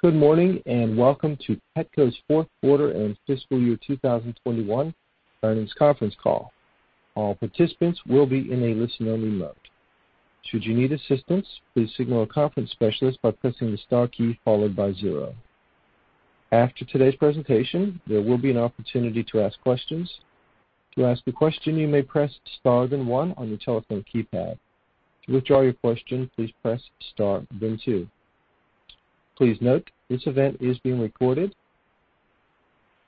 Good morning, and welcome to Petco's fourth quarter and fiscal year 2021 earnings conference call. All participants will be in a listen-only mode. Should you need assistance, please signal a conference specialist by pressing the star key followed by zero. After today's presentation, there will be an opportunity to ask questions. To ask a question, you may press star then one on your telephone keypad. To withdraw your question, please press star then two. Please note, this event is being recorded.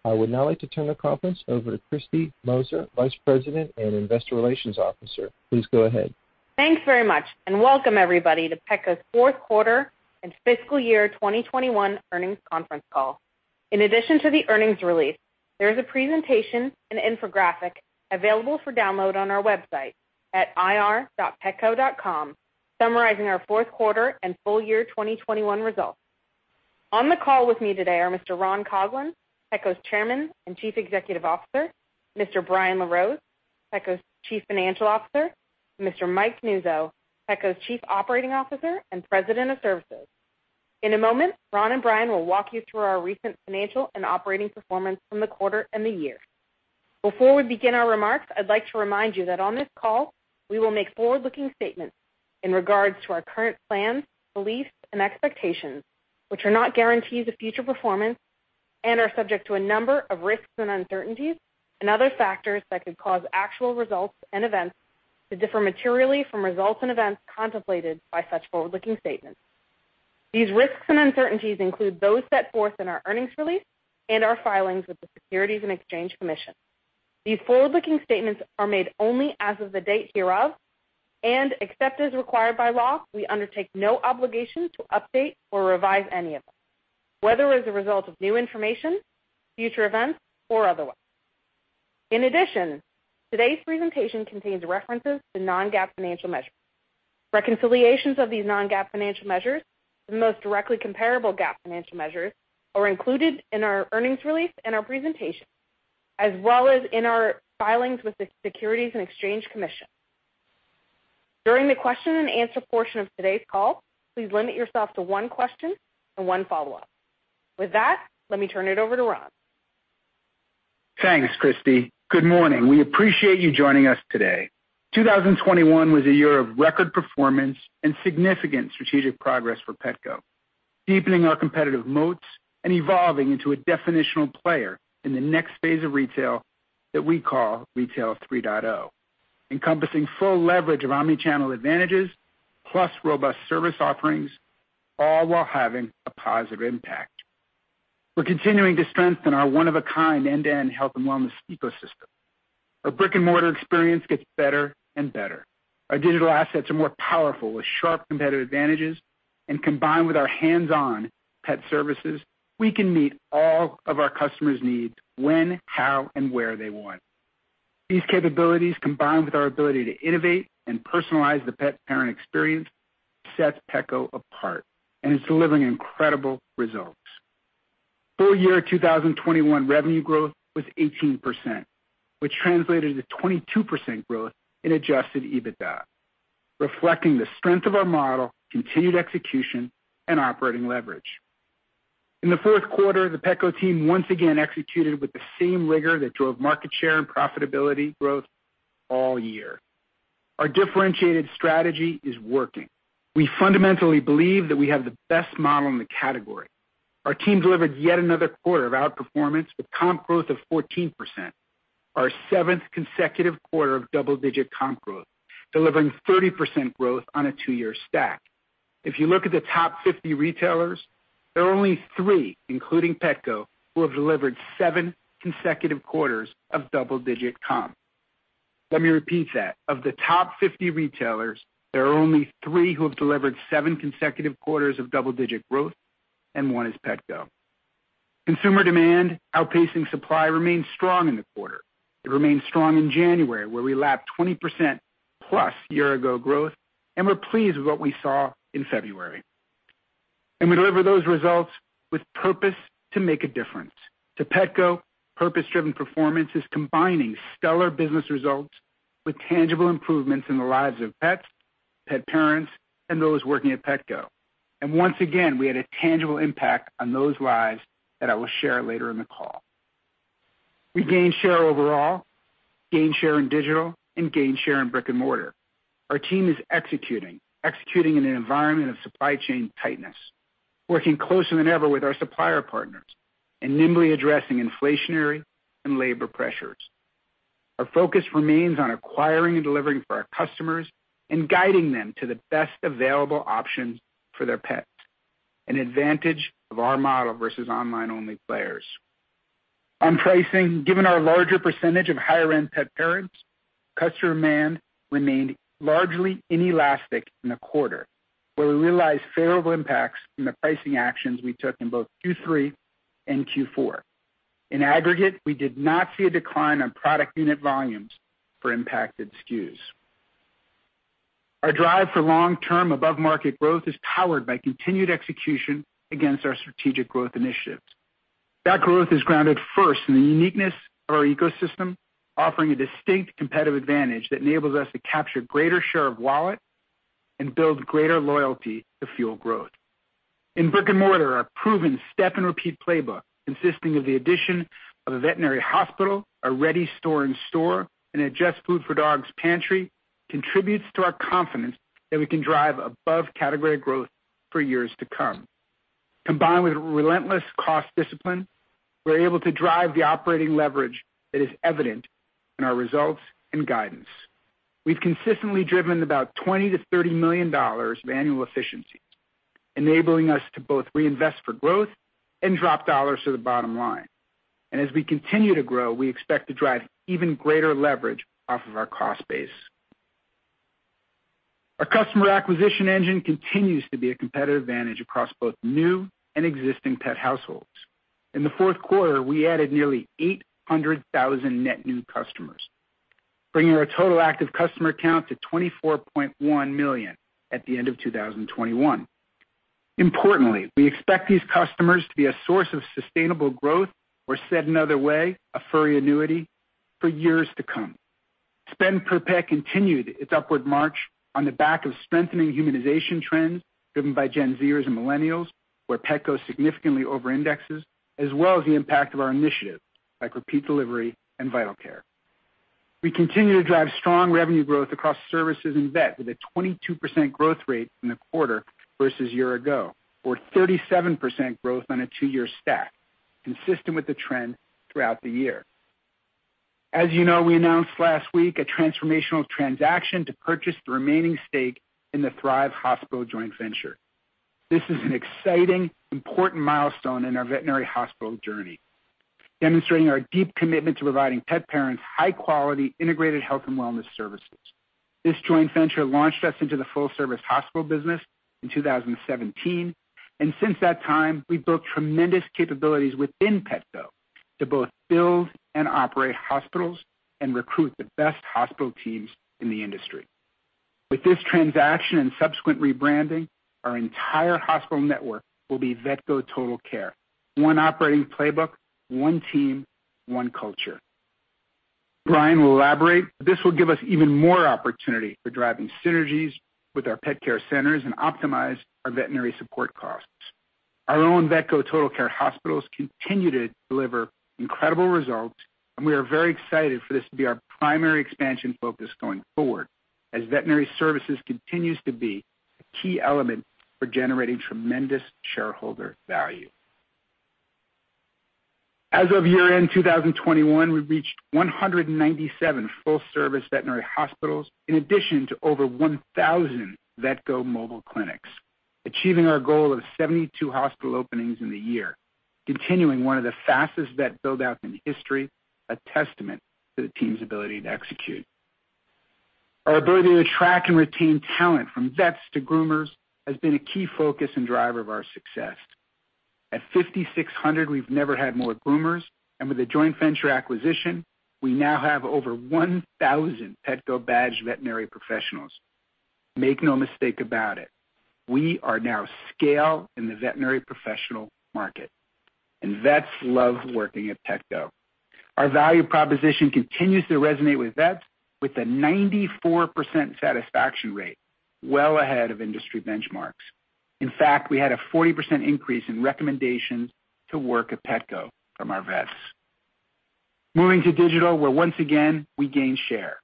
I would now like to turn the conference over to Kristy Moser, Vice President and Investor Relations Officer. Please go ahead. Thanks very much, and welcome everybody to Petco's fourth quarter and fiscal year 2021 earnings conference call. In addition to the earnings release, there is a presentation and infographic available for download on our website at ir.petco.com summarizing our fourth quarter and full year 2021 results. On the call with me today are Mr. Ron Coughlin, Petco's Chairman and Chief Executive Officer, Mr. Brian LaRose, Petco's Chief Financial Officer, Mr. Mike Nuzzo, Petco's Chief Operating Officer and President of Services. In a moment, Ron and Brian will walk you through our recent financial and operating performance from the quarter and the year. Before we begin our remarks, I'd like to remind you that on this call, we will make forward-looking statements in regards to our current plans, beliefs, and expectations, which are not guarantees of future performance and are subject to a number of risks and uncertainties and other factors that could cause actual results and events to differ materially from results and events contemplated by such forward-looking statements. These risks and uncertainties include those set forth in our earnings release and our filings with the Securities and Exchange Commission. These forward-looking statements are made only as of the date hereof, and except as required by law, we undertake no obligation to update or revise any of them, whether as a result of new information, future events, or otherwise. In addition, today's presentation contains references to non-GAAP financial measures. Reconciliations of these non-GAAP financial measures to the most directly comparable GAAP financial measures are included in our earnings release and our presentation, as well as in our filings with the Securities and Exchange Commission. During the question and answer portion of today's call, please limit yourself to one question and one follow-up. With that, let me turn it over to Ron. Thanks, Kristy. Good morning. We appreciate you joining us today. 2021 was a year of record performance and significant strategic progress for Petco, deepening our competitive moats and evolving into a definitional player in the next phase of retail that we call Retail 3.0, encompassing full leverage of omni-channel advantages plus robust service offerings, all while having a positive impact. We're continuing to strengthen our one-of-a-kind end-to-end health and wellness ecosystem. Our brick-and-mortar experience gets better and better. Our digital assets are more powerful, with sharp competitive advantages, and combined with our hands-on pet services, we can meet all of our customers' needs when, how, and where they want. These capabilities, combined with our ability to innovate and personalize the pet parent experience, sets Petco apart, and it's delivering incredible results. Full year 2021 revenue growth was 18%, which translated to 22% growth in Adjusted EBITDA, reflecting the strength of our model, continued execution, and operating leverage. In the fourth quarter, the Petco team once again executed with the same rigor that drove market share and profitability growth all year. Our differentiated strategy is working. We fundamentally believe that we have the best model in the category. Our team delivered yet another quarter of outperformance with comp growth of 14%, our seventh consecutive quarter of double-digit comp growth, delivering 30% growth on a two-year stack. If you look at the top 50 retailers, there are only three, including Petco, who have delivered seven consecutive quarters of double-digit comp. Let me repeat that. Of the top 50 retailers, there are only three who have delivered seven consecutive quarters of double-digit growth, and one is Petco. Consumer demand outpacing supply remains strong in the quarter. It remains strong in January, where we lapped 20%+ year ago growth, and we're pleased with what we saw in February. We deliver those results with purpose to make a difference. To Petco, purpose-driven performance is combining stellar business results with tangible improvements in the lives of pets, pet parents, and those working at Petco. Once again, we had a tangible impact on those lives that I will share later in the call. We gained share overall, gained share in digital, and gained share in brick and mortar. Our team is executing in an environment of supply chain tightness, working closer than ever with our supplier partners and nimbly addressing inflationary and labor pressures. Our focus remains on acquiring and delivering for our customers and guiding them to the best available options for their pets, an advantage of our model versus online-only players. On pricing, given our larger percentage of higher-end pet parents, customer demand remained largely inelastic in the quarter, where we realized favorable impacts from the pricing actions we took in both Q3 and Q4. In aggregate, we did not see a decline on product unit volumes for impacted SKUs. Our drive for long-term above-market growth is powered by continued execution against our strategic growth initiatives. That growth is grounded first in the uniqueness of our ecosystem, offering a distinct competitive advantage that enables us to capture greater share of wallet and build greater loyalty to fuel growth. In brick-and-mortar, our proven step and repeat playbook, consisting of the addition of a veterinary hospital, a Reddy store in store, and a JustFoodForDogs pantry, contributes to our confidence that we can drive above category growth for years to come. Combined with relentless cost discipline, we're able to drive the operating leverage that is evident in our results and guidance. We've consistently driven about $20 million-$30 million of annual efficiency, enabling us to both reinvest for growth and drop dollars to the bottom line. As we continue to grow, we expect to drive even greater leverage off of our cost base. Our customer acquisition engine continues to be a competitive advantage across both new and existing pet households. In the fourth quarter, we added nearly 800,000 net new customers, bringing our total active customer count to 24.1 million at the end of 2021. Importantly, we expect these customers to be a source of sustainable growth, or said another way, a furry annuity for years to come. Spend per pet continued its upward march on the back of strengthening humanization trends driven by Gen Zers and Millennials, where Petco significantly overindexes, as well as the impact of our initiatives like repeat delivery and Vital Care. We continue to drive strong revenue growth across services and vet with a 22% growth rate from the quarter versus year ago, or 37% growth on a two-year stack, consistent with the trend throughout the year. As you know, we announced last week a transformational transaction to purchase the remaining stake in the Thrive Hospital Joint Venture. This is an exciting, important milestone in our veterinary hospital journey, demonstrating our deep commitment to providing pet parents high-quality, integrated health and wellness services. This joint venture launched us into the full-service hospital business in 2017, and since that time, we've built tremendous capabilities within Petco to both build and operate hospitals and recruit the best hospital teams in the industry. With this transaction and subsequent rebranding, our entire hospital network will be Vetco Total Care. One operating playbook, one team, one culture. Brian will elaborate, this will give us even more opportunity for driving synergies with our pet care centers and optimize our veterinary support costs. Our own Vetco Total Care hospitals continue to deliver incredible results, and we are very excited for this to be our primary expansion focus going forward, as veterinary services continues to be a key element for generating tremendous shareholder value. As of year-end 2021, we reached 197 full-service veterinary hospitals, in addition to over 1,000 Vetco mobile clinics, achieving our goal of 72 hospital openings in the year, continuing one of the fastest vet buildouts in history, a testament to the team's ability to execute. Our ability to attract and retain talent from vets to groomers has been a key focus and driver of our success. At 5,600, we've never had more groomers, and with the joint venture acquisition, we now have over 1,000 Petco badged veterinary professionals. Make no mistake about it, we are now scaled in the veterinary professional market, and vets love working at Petco. Our value proposition continues to resonate with vets with a 94% satisfaction rate, well ahead of industry benchmarks. In fact, we had a 40% increase in recommendations to work at Petco from our vets. Moving to digital, where once again, we gained share.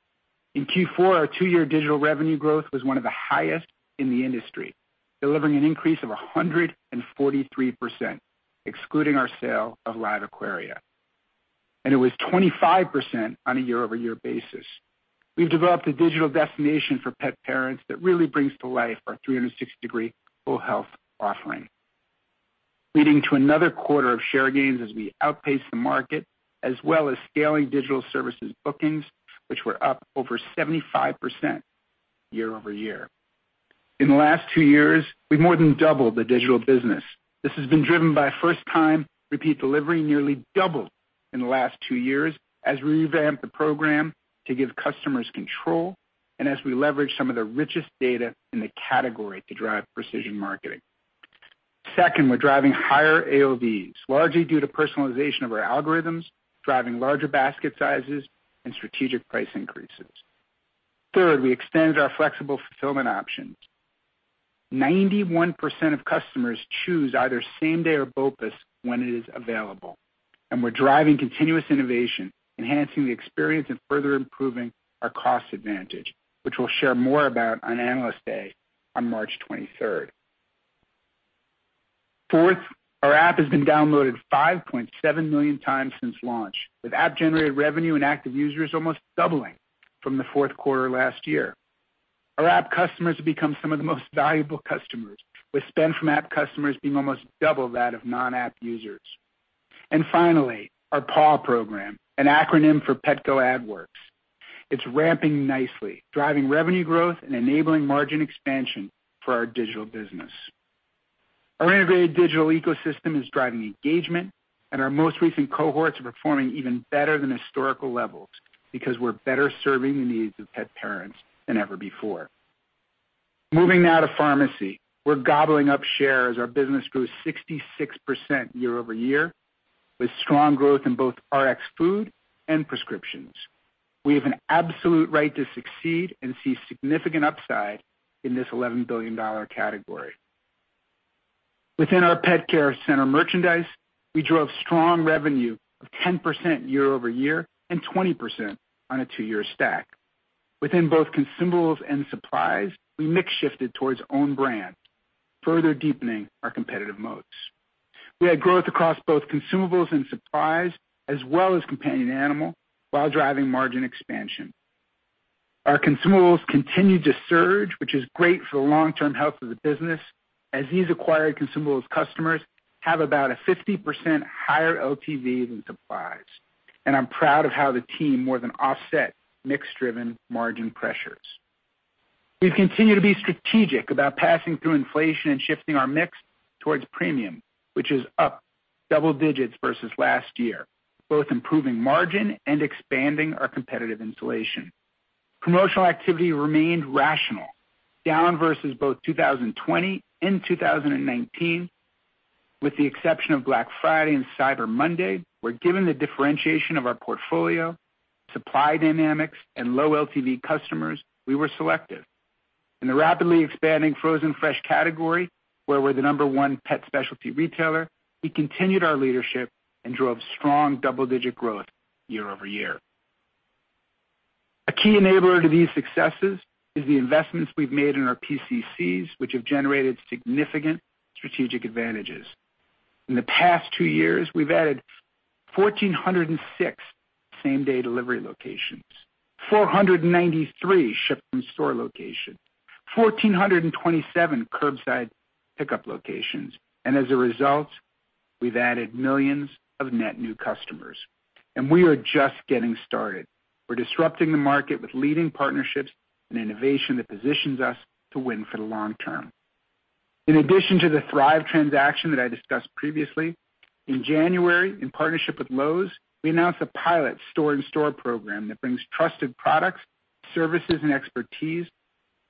In Q4, our two-year digital revenue growth was one of the highest in the industry, delivering an increase of 143%, excluding our sale of LiveAquaria. It was 25% on a year-over-year basis. We've developed a digital destination for pet parents that really brings to life our 360-degree full health offering, leading to another quarter of share gains as we outpace the market, as well as scaling digital services bookings, which were up over 75% year-over-year. In the last two years, we've more than doubled the digital business. This has been driven by first-time repeat delivery, nearly double in the last two years as we revamped the program to give customers control and as we leverage some of the richest data in the category to drive precision marketing. Second, we're driving higher AOVs, largely due to personalization of our algorithms, driving larger basket sizes and strategic price increases. Third, we extended our flexible fulfillment options. 91% of customers choose either same-day or BOPUS when it is available, and we're driving continuous innovation, enhancing the experience and further improving our cost advantage, which we'll share more about on Analyst Day on March 23rd. Fourth, our app has been downloaded 5.7 million times since launch, with app-generated revenue and active users almost doubling from the fourth quarter last year. Our app customers have become some of the most valuable customers, with spend from app customers being almost double that of non-app users. Finally, our PAW program, an acronym for Petco AdWorks. It's ramping nicely, driving revenue growth and enabling margin expansion for our digital business. Our innovative digital ecosystem is driving engagement, and our most recent cohorts are performing even better than historical levels because we're better serving the needs of pet parents than ever before. Moving now to pharmacy. We're gobbling up shares. Our business grew 66% year-over-year, with strong growth in both RX food and prescriptions. We have an absolute right to succeed and see significant upside in this $11 billion category. Within our pet care center merchandise, we drove strong revenue of 10% year-over-year and 20% on a two-year stack. Within both consumables and supplies, we mix shifted towards own brand, further deepening our competitive moats. We had growth across both consumables and supplies, as well as companion animal, while driving margin expansion. Our consumables continue to surge, which is great for the long-term health of the business, as these acquired consumables customers have about a 50% higher LTV than supplies. I'm proud of how the team more than offset mix-driven margin pressures. We've continued to be strategic about passing through inflation and shifting our mix towards premium, which is up double digits versus last year, both improving margin and expanding our competitive insulation. Promotional activity remained rational, down versus both 2020 and 2019, with the exception of Black Friday and Cyber Monday, where given the differentiation of our portfolio, supply dynamics, and low LTV customers, we were selective. In the rapidly expanding frozen fresh category, where we're the number one pet specialty retailer, we continued our leadership and drove strong double-digit growth year-over-year. A key enabler to these successes is the investments we've made in our PCCs, which have generated significant strategic advantages. In the past two years, we've added 1,406 same-day delivery locations, 493 ship from store locations, 1,427 curbside pickup locations, and as a result, we've added millions of net new customers. We are just getting started. We're disrupting the market with leading partnerships and innovation that positions us to win for the long term. In addition to the Thrive transaction that I discussed previously, in January, in partnership with Lowe's, we announced a pilot store-in-store program that brings trusted products, services, and expertise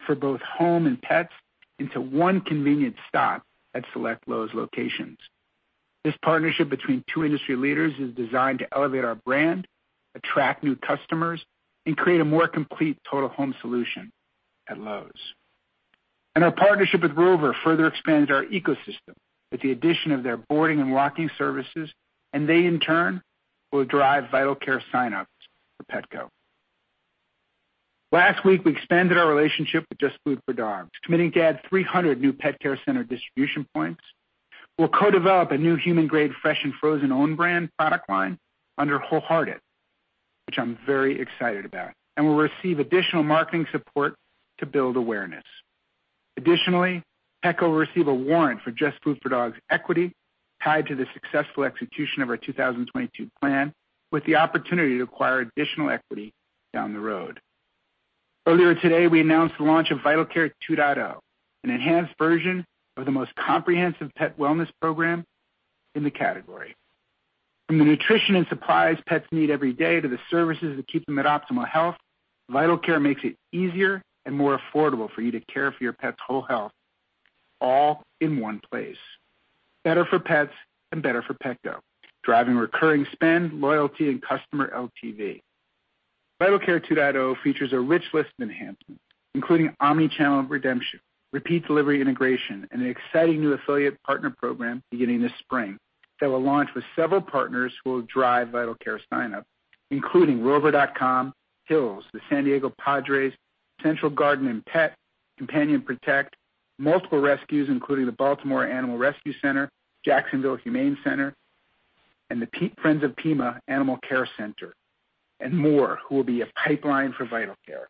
for both home and pets into one convenient stop at select Lowe's locations. This partnership between two industry leaders is designed to elevate our brand, attract new customers, and create a more complete total home solution at Lowe's. Our partnership with Rover further expands our ecosystem with the addition of their boarding and walking services, and they in turn will drive Vital Care signups for Petco. Last week, we expanded our relationship with JustFoodForDogs, committing to add 300 new pet care center distribution points. We'll co-develop a new human grade fresh and frozen own brand product line under Wholehearted, which I'm very excited about, and we'll receive additional marketing support to build awareness. Additionally, Petco will receive a warrant for JustFoodForDogs equity tied to the successful execution of our 2022 plan with the opportunity to acquire additional equity down the road. Earlier today, we announced the launch of Vital Care 2.0, an enhanced version of the most comprehensive pet wellness program in the category. From the nutrition and supplies pets need every day to the services that keep them at optimal health, Vital Care makes it easier and more affordable for you to care for your pet's whole health, all in one place. Better for pets and better for Petco, driving recurring spend, loyalty, and customer LTV. Vital Care 2.0 features a rich list of enhancements, including omnichannel redemption, repeat delivery integration, and an exciting new affiliate partner program beginning this spring that will launch with several partners who will drive Vital Care signup, including rover.com, Hill's, the San Diego Padres, Central Garden & Pet, Companion Protect, multiple rescues, including the Baltimore Animal Rescue & Care Shelter, Jacksonville Humane Society, and the Friends of Pima Animal Care Center, and more, who will be a pipeline for Vital Care.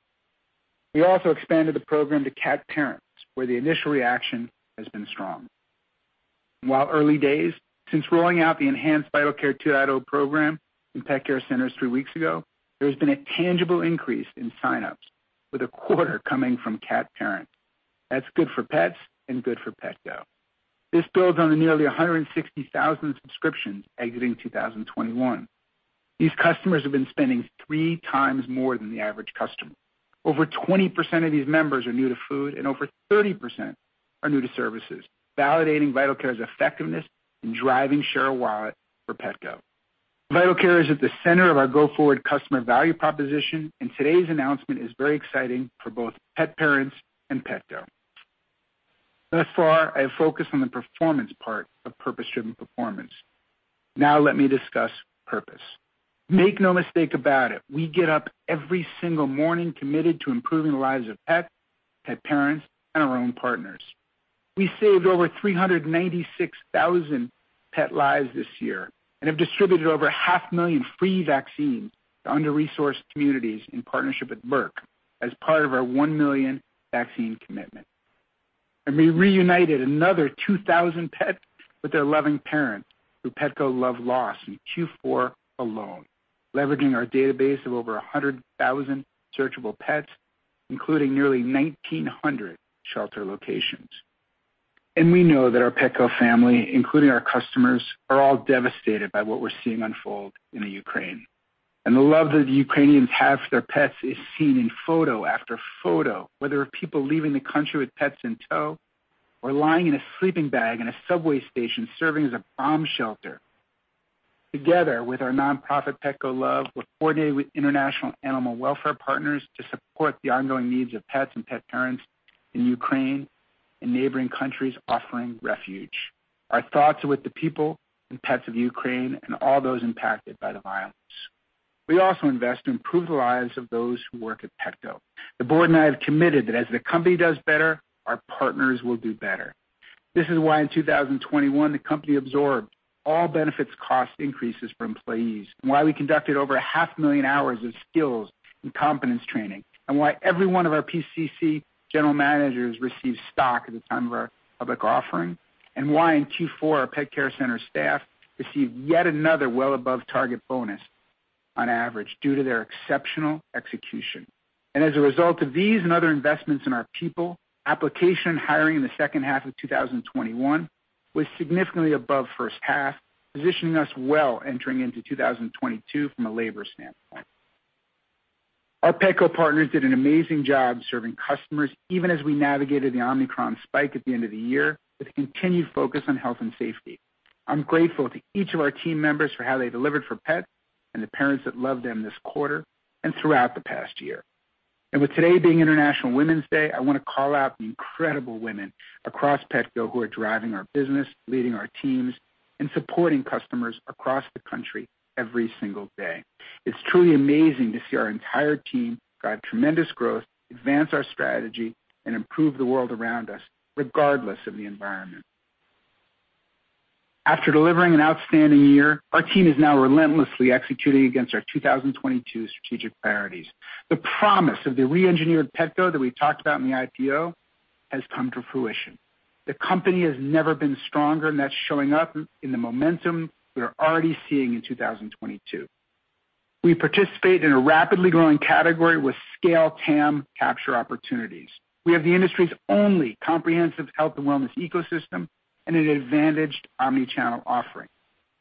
We also expanded the program to cat parents, where the initial reaction has been strong. While it's early days, since rolling out the enhanced Vital Care 2.0 program in Pet Care Centers 3 weeks ago, there has been a tangible increase in sign-ups, with a quarter coming from cat parents. That's good for pets and good for Petco. This builds on the nearly 160,000 subscriptions exiting 2021. These customers have been spending 3 times more than the average customer. Over 20% of these members are new to food and over 30% are new to services, validating Vital Care's effectiveness in driving share of wallet for Petco. Vital Care is at the center of our go-forward customer value proposition, and today's announcement is very exciting for both pet parents and Petco. Thus far, I have focused on the performance part of purpose-driven performance. Now let me discuss purpose. Make no mistake about it, we get up every single morning committed to improving the lives of pets, pet parents, and our own partners. We saved over 396,000 pet lives this year and have distributed over 500,000 free vaccines to under-resourced communities in partnership with Merck as part of our 1 million vaccine commitment. We reunited another 2,000 pets with their loving parents through Petco Love Lost in Q4 alone, leveraging our database of over 100,000 searchable pets, including nearly 1,900 shelter locations. We know that our Petco family, including our customers, are all devastated by what we're seeing unfold in the Ukraine. The love that Ukrainians have for their pets is seen in photo-after-photo, whether of people leaving the country with pets in tow or lying in a sleeping bag in a subway station serving as a bomb shelter. Together with our nonprofit, Petco Love, we're coordinating with international animal welfare partners to support the ongoing needs of pets and pet parents in Ukraine and neighboring countries offering refuge. Our thoughts are with the people and pets of Ukraine and all those impacted by the violence. We also invest to improve the lives of those who work at Petco. The board and I have committed that as the company does better, our partners will do better. This is why in 2021, the company absorbed all benefits cost increases for employees, and why we conducted over 500,000 hours of skills and competence training, and why every one of our PCC general managers received stock at the time of our public offering, and why in Q4, our Pet Care Center staff received yet another well above target bonus on average due to their exceptional execution. As a result of these and other investments in our people, application and hiring in the second half of 2021 was significantly above first half, positioning us well entering into 2022 from a labor standpoint. Our Petco partners did an amazing job serving customers, even as we navigated the Omicron spike at the end of the year with a continued focus on health and safety. I'm grateful to each of our team members for how they delivered for pets and the parents that love them this quarter and throughout the past year. With today being International Women's Day, I wanna call out the incredible women across Petco who are driving our business, leading our teams, and supporting customers across the country every single day. It's truly amazing to see our entire team drive tremendous growth, advance our strategy, and improve the world around us, regardless of the environment. After delivering an outstanding year, our team is now relentlessly executing against our 2022 strategic priorities. The promise of the reengineered Petco that we talked about in the IPO has come to fruition. The company has never been stronger, and that's showing up in the momentum we are already seeing in 2022. We participate in a rapidly growing category with scale TAM capture opportunities. We have the industry's only comprehensive health and wellness ecosystem and an advantaged omni-channel offering.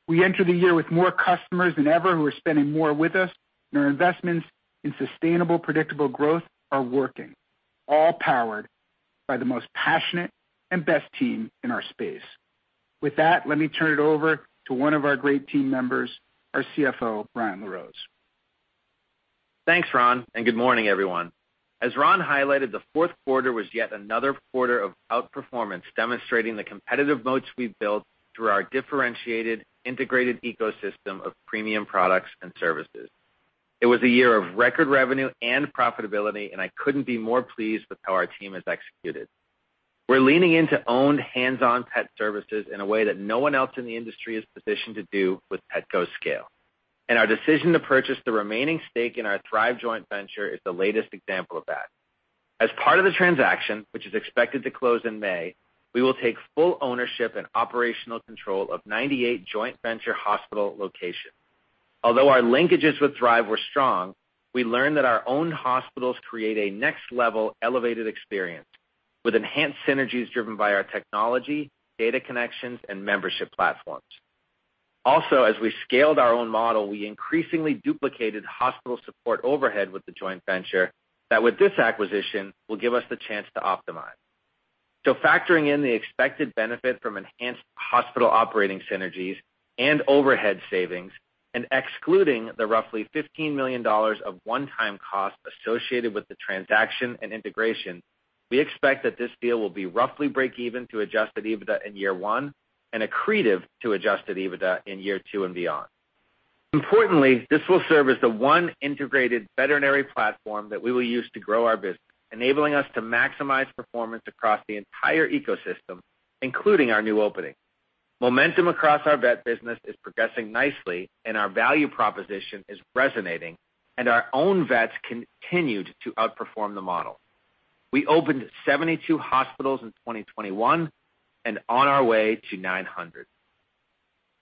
We enter the year with more customers than ever who are spending more with us, and our investments in sustainable, predictable growth are working, all powered by the most passionate and best team in our space. With that, let me turn it over to one of our great team members, our CFO, Brian LaRose. Thanks, Ron, and good morning, everyone. As Ron highlighted, the fourth quarter was yet another quarter of outperformance, demonstrating the competitive moats we've built through our differentiated integrated ecosystem of premium products and services. It was a year of record revenue and profitability, and I couldn't be more pleased with how our team has executed. We're leaning into owned hands-on pet services in a way that no one else in the industry is positioned to do with Petco's scale, and our decision to purchase the remaining stake in our Thrive joint venture is the latest example of that. As part of the transaction, which is expected to close in May, we will take full ownership and operational control of 98 joint venture hospital locations. Although our linkages with Thrive were strong, we learned that our own hospitals create a next-level elevated experience with enhanced synergies driven by our technology, data connections, and membership platforms. Also, as we scaled our own model, we increasingly duplicated hospital support overhead with the joint venture that, with this acquisition, will give us the chance to optimize. Factoring in the expected benefit from enhanced hospital operating synergies and overhead savings, and excluding the roughly $15 million of one-time costs associated with the transaction and integration, we expect that this deal will be roughly break even to Adjusted EBITDA in year one and accretive to Adjusted EBITDA in year two and beyond. Importantly, this will serve as the one integrated veterinary platform that we will use to grow our business, enabling us to maximize performance across the entire ecosystem, including our new opening. Momentum across our vet business is progressing nicely, and our value proposition is resonating, and our own vets continued to outperform the model. We opened 72 hospitals in 2021 and we're on our way to 900.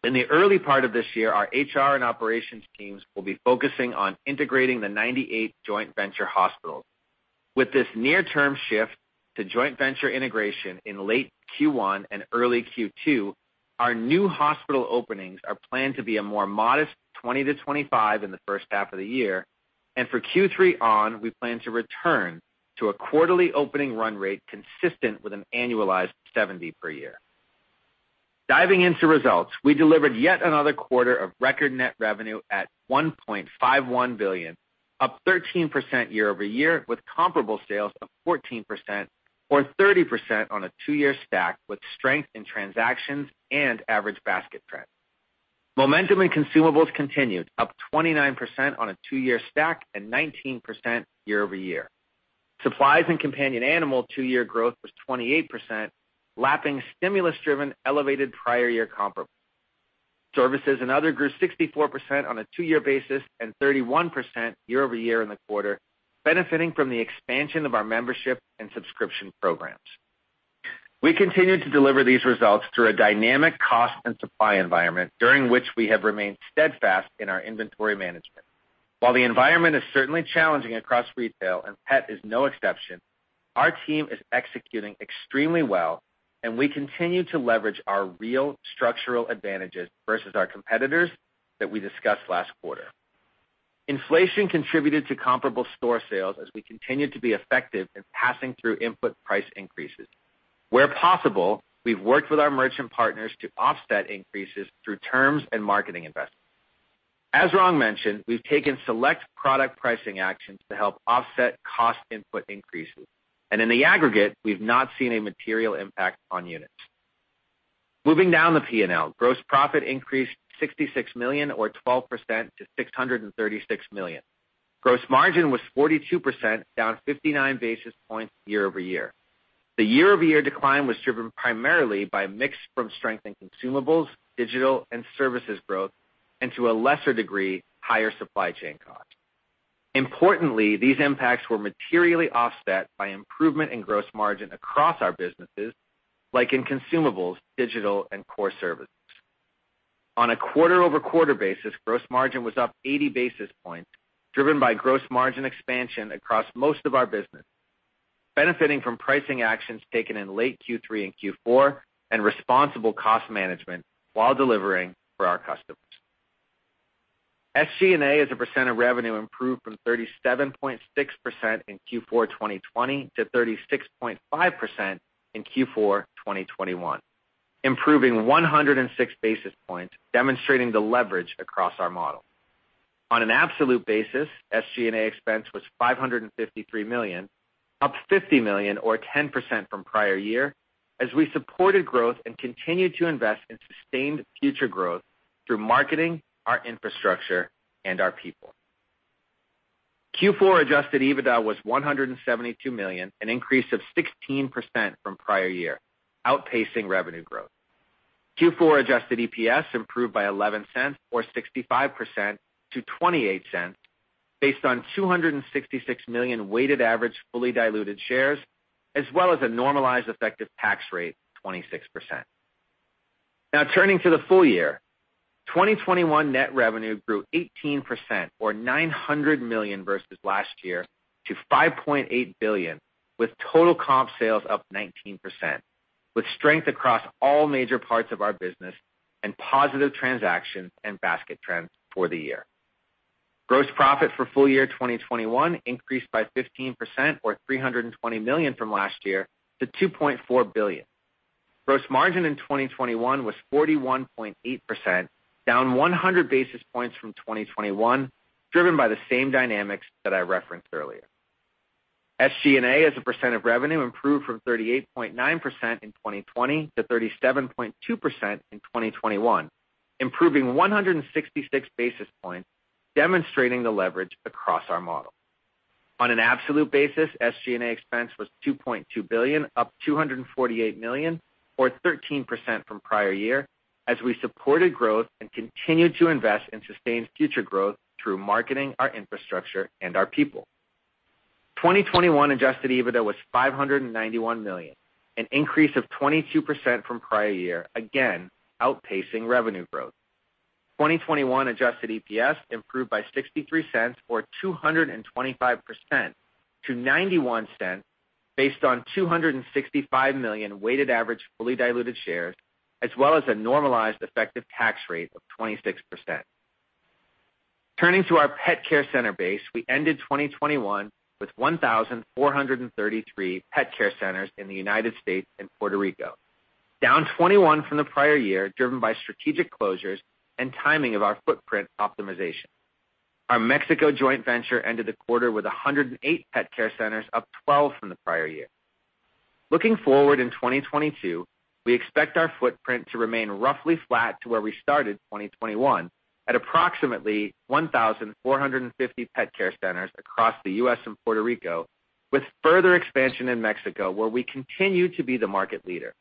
In the early part of this year, our HR and operations teams will be focusing on integrating the 98 joint venture hospitals. With this near-term shift to joint venture integration in late Q1 and early Q2, our new hospital openings are planned to be a more modest 20-25 in the first half of the year. For Q3 on, we plan to return to a quarterly opening run rate consistent with an annualized 70 per year. Diving into results, we delivered yet another quarter of record net revenue at $1.51 billion, up 13% year-over-year, with comparable sales of 14% or 30% on a two-year stack with strength in transactions and average basket trends. Momentum in consumables continued, up 29% on a two-year stack and 19% year-over-year. Supplies and companion animal two-year growth was 28%, lapping stimulus-driven elevated prior year comparable. Services and other grew 64% on a two-year basis and 31% year-over-year in the quarter, benefiting from the expansion of our membership and subscription programs. We continue to deliver these results through a dynamic cost and supply environment during which we have remained steadfast in our inventory management. While the environment is certainly challenging across retail, and pet is no exception, our team is executing extremely well, and we continue to leverage our real structural advantages versus our competitors that we discussed last quarter. Inflation contributed to comparable store sales as we continued to be effective in passing through input price increases. Where possible, we've worked with our merchant partners to offset increases through terms and marketing investments. As Ron mentioned, we've taken select product pricing actions to help offset cost input increases. In the aggregate, we've not seen a material impact on units. Moving down the P&L, gross profit increased $66 million or 12% to $636 million. Gross margin was 42%, down 59 basis points year-over-year. The year-over-year decline was driven primarily by mix from strength in consumables, digital and services growth, and to a lesser degree, higher supply chain costs. Importantly, these impacts were materially offset by improvement in gross margin across our businesses, like in consumables, digital, and core services. On a quarter-over-quarter basis, gross margin was up 80 basis points, driven by gross margin expansion across most of our business, benefiting from pricing actions taken in late Q3 and Q4 and responsible cost management while delivering for our customers. SG&A as a percent of revenue improved from 37.6% in Q4 2020 to 36.5% in Q4 2021, improving 106 basis points, demonstrating the leverage across our model. On an absolute basis, SG&A expense was $553 million, up $50 million or 10% from prior year as we supported growth and continued to invest in sustained future growth through marketing, our infrastructure, and our people. Q4 adjusted EBITDA was $172 million, an increase of 16% from prior year, outpacing revenue growth. Q4 adjusted EPS improved by $0.11 or 65% to $0.28 based on 266 million weighted average fully diluted shares, as well as a normalized effective tax rate of 26%. Now turning to the full year, 2021 net revenue grew 18% or $900 million versus last year to $5.8 billion, with total comp sales up 19%, with strength across all major parts of our business and positive transactions and basket trends for the year. Gross profit for full year 2021 increased by 15% or $320 million from last year to $2.4 billion. Gross margin in 2021 was 41.8%, down 100 basis points from 2020, driven by the same dynamics that I referenced earlier. SG&A as a percent of revenue improved from 38.9% in 2020 to 37.2% in 2021, improving 166 basis points, demonstrating the leverage across our model. On an absolute basis, SG&A expense was $2.2 billion, up $248 million or 13% from prior year as we supported growth and continued to invest in sustained future growth through marketing our infrastructure and our people. 2021 adjusted EBITDA was $591 million, an increase of 22% from prior year, again outpacing revenue growth. 2021 adjusted EPS improved by $0.63 or 225% to $0.91 based on 265 million weighted average fully diluted shares, as well as a normalized effective tax rate of 26%. Turning to our pet care center base, we ended 2021 with 1,433 pet care centers in the United States and Puerto Rico, down 21 from the prior year, driven by strategic closures and timing of our footprint optimization. Our Mexico joint venture ended the quarter with 108 pet care centers, up 12 from the prior year. Looking forward in 2022, we expect our footprint to remain roughly flat to where we started 2021 at approximately 1,450 pet care centers across the U.S. and Puerto Rico, with further expansion in Mexico, where we continue to be the market leader.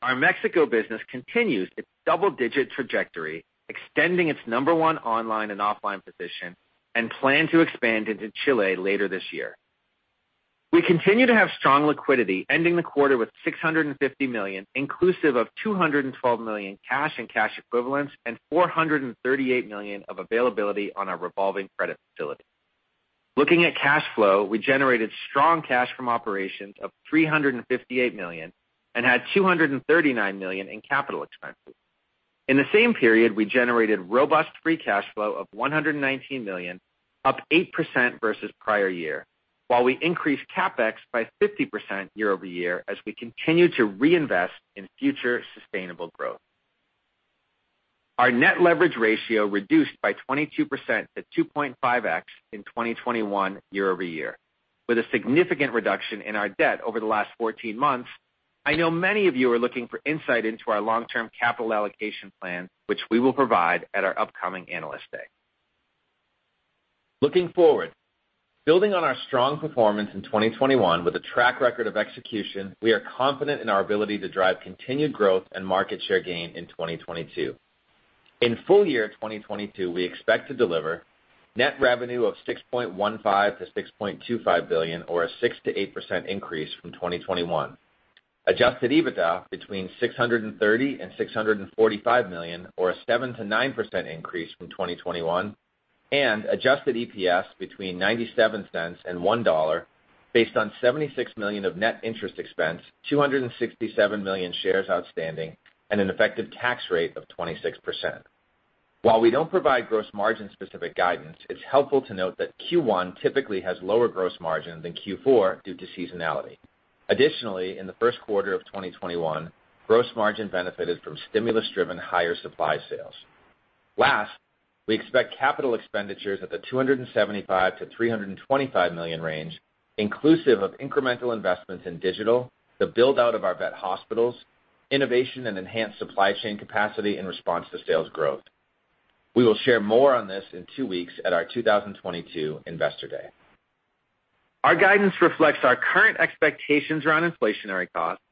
Our Mexico business continues its double-digit trajectory, extending its number one online and offline position and plan to expand into Chile later this year. We continue to have strong liquidity, ending the quarter with $650 million, inclusive of $212 million cash and cash equivalents and $438 million of availability on our revolving credit facility. Looking at cash flow, we generated strong cash from operations of $358 million and had $239 million in capital expenses. In the same period, we generated robust free cash flow of $119 million, up 8% versus prior year, while we increased CapEx by 50% year-over-year as we continue to reinvest in future sustainable growth. Our net leverage ratio reduced by 22% to 2.5x in 2021 year-over-year, with a significant reduction in our debt over the last 14 months. I know many of you are looking for insight into our long-term capital allocation plan, which we will provide at our upcoming Analyst Day. Looking forward, building on our strong performance in 2021 with a track record of execution, we are confident in our ability to drive continued growth and market share gain in 2022. In full year 2022, we expect to deliver net revenue of $6.15 billion-$6.25 billion or a 6%-8% increase from 2021. 2Adjusted EBITDA between $630 million and $645 million, or a 7%-9% increase from 2021. Adjusted EPS between $0.97 and $1.00 based on $76 million of net interest expense, 267 million shares outstanding, and an effective tax rate of 26%. While we don't provide gross margin specific guidance, it's helpful to note that Q1 typically has lower gross margin than Q4 due to seasonality. Additionally, in the first quarter of 2021, gross margin benefited from stimulus-driven higher supply sales. Last, we expect capital expenditures at the $275 million-$325 million range, inclusive of incremental investments in digital, the build-out of our vet hospitals, innovation and enhanced supply chain capacity in response to sales growth. We will share more on this in two weeks at our 2022 Investor Day. Our guidance reflects our current expectations around inflationary costs,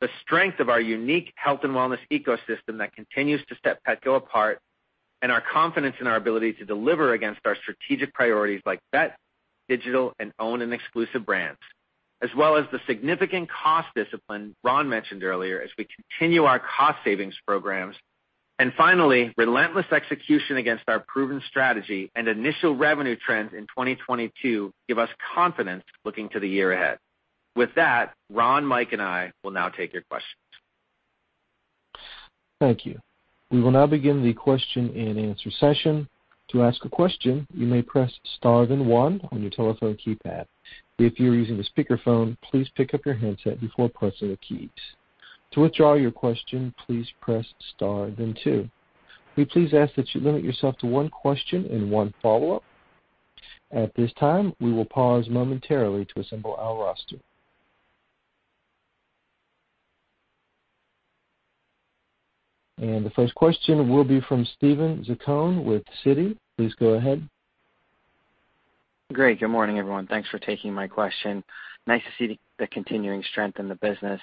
the strength of our unique health and wellness ecosystem that continues to set Petco apart, and our confidence in our ability to deliver against our strategic priorities like vet, digital, and own and exclusive brands, as well as the significant cost discipline Ron mentioned earlier as we continue our cost savings programs. Finally, relentless execution against our proven strategy and initial revenue trends in 2022 give us confidence looking to the year ahead. With that, Ron, Mike, and I will now take your questions. Thank you. We will now begin the question-and-answer session. To ask a question, you may press star then one on your telephone keypad. If you're using a speakerphone, please pick up your handset before pressing the keys. To withdraw your question, please press star then two. We please ask that you limit yourself to one question and one follow-up. At this time, we will pause momentarily to assemble our roster. The first question will be from Steven Zaccone with Citi. Please go ahead. Great. Good morning, everyone. Thanks for taking my question. Nice to see the continuing strength in the business.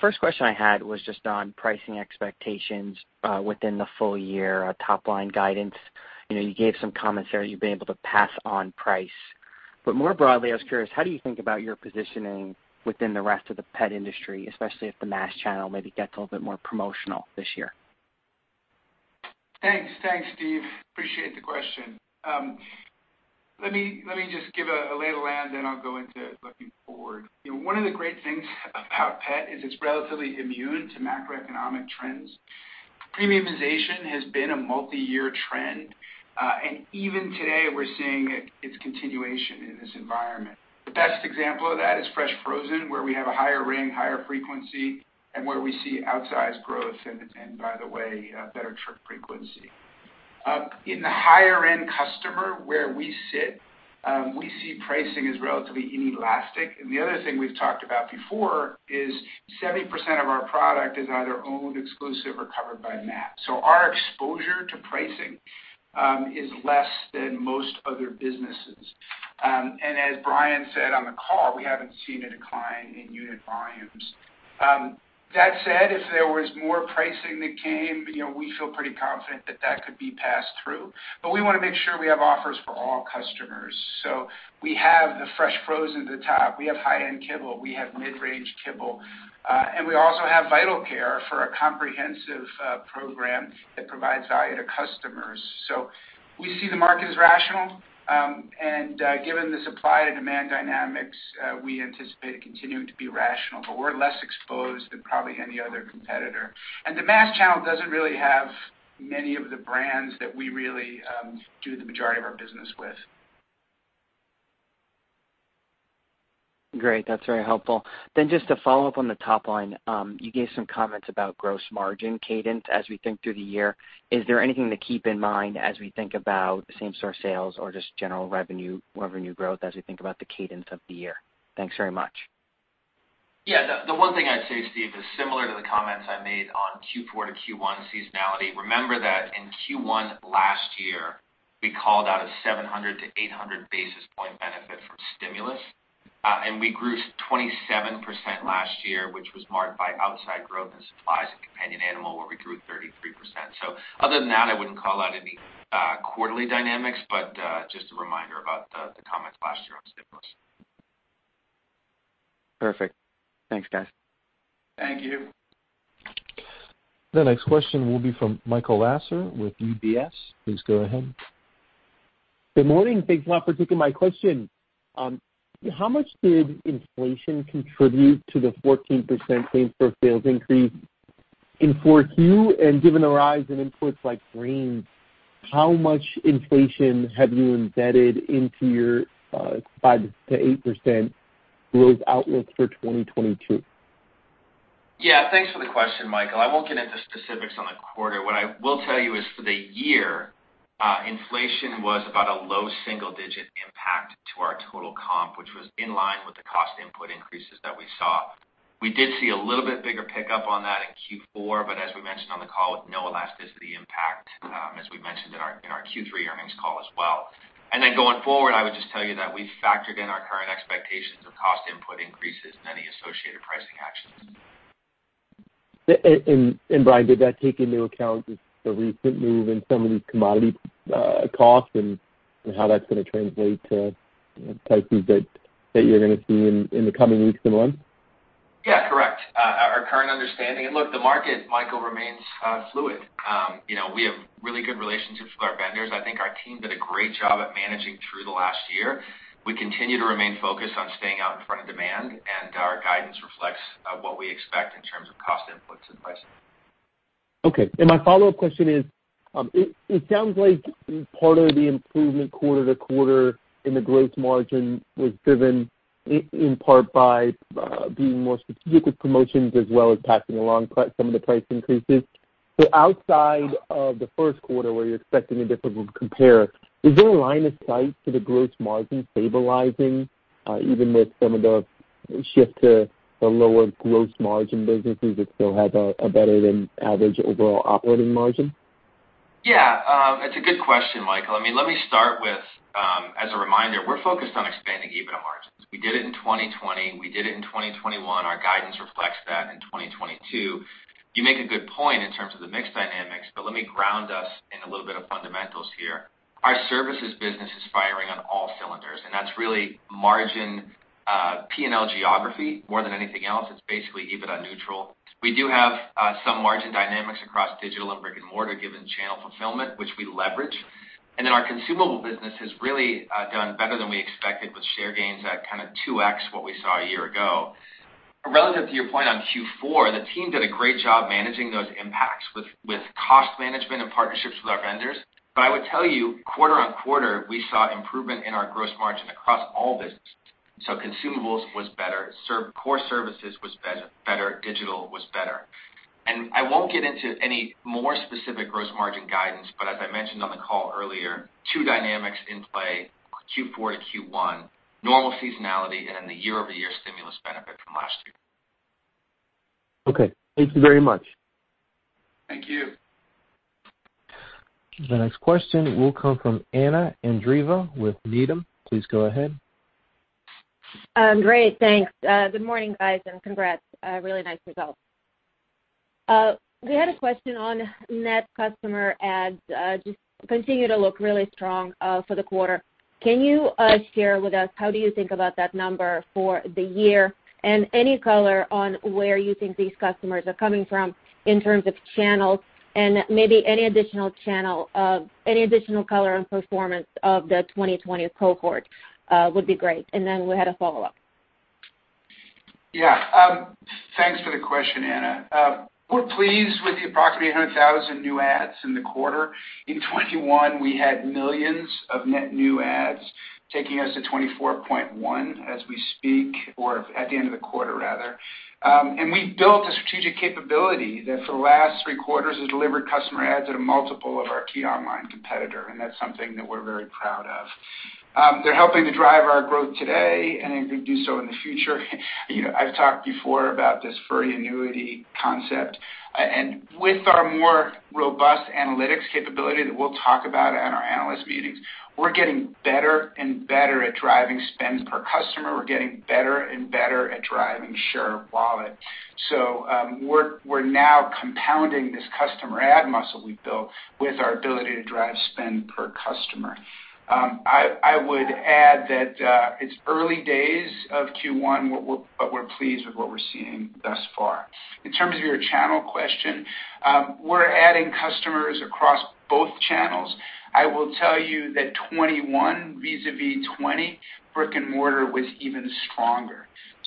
First question I had was just on pricing expectations within the full year top line guidance. You know, you gave some commentary. You've been able to pass on price. More broadly, I was curious, how do you think about your positioning within the rest of the pet industry, especially if the mass channel maybe gets a little bit more promotional this year? Thanks. Thanks, Steve. Appreciate the question. Let me just give a lay of the land, then I'll go into looking forward. You know, one of the great things about pet is it's relatively immune to macroeconomic trends. Premiumization has been a multi-year trend, and even today, we're seeing its continuation in this environment. The best example of that is fresh frozen, where we have a higher ring, higher frequency, and where we see outsized growth and, by the way, better trip frequency. In the higher end customer where we sit, we see pricing is relatively inelastic. The other thing we've talked about before is 70% of our product is either owned, exclusive or covered by mass. Our exposure to pricing is less than most other businesses. As Brian said on the call, we haven't seen a decline in unit volumes. That said, if there was more pricing that came, you know, we feel pretty confident that that could be passed through. We wanna make sure we have offers for all customers. We have the fresh frozen at the top. We have high-end kibble, we have mid-range kibble, and we also have Vital Care for a comprehensive program that provides value to customers. We see the market as rational, and given the supply and demand dynamics, we anticipate it continuing to be rational. We're less exposed than probably any other competitor. The mass channel doesn't really have many of the brands that we really do the majority of our business with. Great. That's very helpful. Just to follow up on the top line, you gave some comments about gross margin cadence as we think through the year. Is there anything to keep in mind as we think about same store sales or just general revenue growth as we think about the cadence of the year? Thanks very much. Yeah, the one thing I'd say, Steve, is similar to the comments I made on Q4 to Q1 seasonality. Remember that in Q1 last year, we called out a 700-800 basis point benefit from stimulus, and we grew 27% last year, which was marked by outsized growth in supplies and companion animal, where we grew 33%. Other than that, I wouldn't call out any quarterly dynamics, but just a reminder about the comments last year on stimulus. Perfect. Thanks, guys. Thank you. The next question will be from Michael Lasser with UBS. Please go ahead. Good morning. Thanks a lot for taking my question. How much did inflation contribute to the 14% same store sales increase in 4Q? Given the rise in inputs like grains, how much inflation have you embedded into your 5%-8% growth outlook for 2022? Yeah, thanks for the question, Michael. I won't get into specifics on the quarter. What I will tell you is for the year, inflation was about a low single digit impact to our total comp, which was in line with the cost input increases that we saw. We did see a little bit bigger pickup on that in Q4, but as we mentioned on the call, with no elasticity impact, as we mentioned in our Q3 earnings call as well. Then going forward, I would just tell you that we factored in our current expectations of cost input increases and any associated pricing actions. Brian, did that take into account just the recent move in some of these commodity costs and how that's gonna translate to price increases that you're gonna see in the coming weeks and months? Yeah. Correct. Our current understanding. Look, the market, Michael, remains fluid. You know, we have really good relationships with our vendors. I think our team did a great job at managing through the last year. We continue to remain focused on staying out in front of demand, and our guidance reflects what we expect in terms of cost inputs and pricing. Okay. My follow-up question is, it sounds like part of the improvement quarter to quarter in the gross margin was driven in part by being more strategic with promotions as well as passing along some of the price increases. Outside of the first quarter, where you're expecting a difficult compare, is there a line of sight to the gross margin stabilizing, even with some of the shift to the lower gross margin businesses that still have a better than average overall operating margin? Yeah. It's a good question, Michael. I mean, let me start with, as a reminder, we're focused on expanding EBITDA margins. We did it in 2020. We did it in 2021. Our guidance reflects that in 2022. You make a good point in terms of the mix dynamics, but let me ground us in a little bit of fundamentals here. Our services business is firing on all cylinders, and that's really margin, P&L geography more than anything else. It's basically EBITDA neutral. We do have, some margin dynamics across digital and brick-and-mortar, given channel fulfillment, which we leverage. Then our consumable business has really, done better than we expected with share gains at kind of 2x what we saw a year ago. Relative to your point on Q4, the team did a great job managing those impacts with cost management and partnerships with our vendors. I would tell you, quarter-on-quarter, we saw improvement in our gross margin across all businesses. Consumables was better, core services was better, digital was better. I won't get into any more specific gross margin guidance, but as I mentioned on the call earlier, two dynamics in play, Q4 to Q1, normal seasonality and then the year-over-year stimulus benefit from last year. Okay. Thank you very much. Thank you. The next question will come from Anna Andreeva with Needham. Please go ahead. Great. Thanks. Good morning, guys, and congrats. Really nice results. We had a question on net customer adds, just continue to look really strong, for the quarter. Can you share with us how do you think about that number for the year? Any color on where you think these customers are coming from in terms of channels and maybe any additional color on performance of the 2020 cohort would be great. We had a follow-up. Yeah. Thanks for the question, Anna. We're pleased with the approximately 100,000 new adds in the quarter. In 2021, we had millions of net new adds, taking us to 24.1 as we speak, or at the end of the quarter, rather. We built a strategic capability that for the last three quarters has delivered customer adds at a multiple of our key online competitor, and that's something that we're very proud of. They're helping to drive our growth today and they're gonna do so in the future. You know, I've talked before about this furry annuity concept. With our more robust analytics capability that we'll talk about at our analyst meetings, we're getting better and better at driving spends per customer. We're getting better and better at driving share of wallet. We're now compounding this customer add muscle we've built with our ability to drive spend per customer. I would add that it's early days of Q1, but we're pleased with what we're seeing thus far. In terms of your channel question, we're adding customers across both channels. I will tell you that 2021, vis-à-vis 2020, brick-and-mortar was even stronger.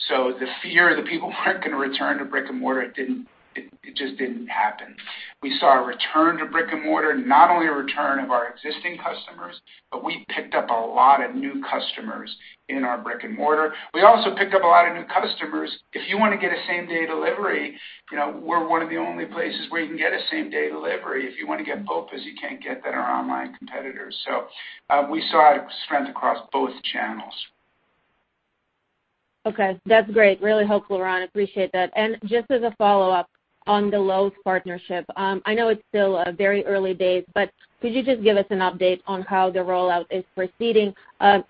The fear that people weren't gonna return to brick-and-mortar didn't happen. It just didn't happen. We saw a return to brick-and-mortar, not only a return of our existing customers, but we picked up a lot of new customers in our brick-and-mortar. We also picked up a lot of new customers. If you wanna get a same-day delivery, you know, we're one of the only places where you can get a same-day delivery. If you wanna get both, because you can't get that at our online competitors. We saw strength across both channels. Okay. That's great. Really helpful, Ron. Appreciate that. Just as a follow-up on the Lowe's partnership, I know it's still very early days, but could you just give us an update on how the rollout is proceeding?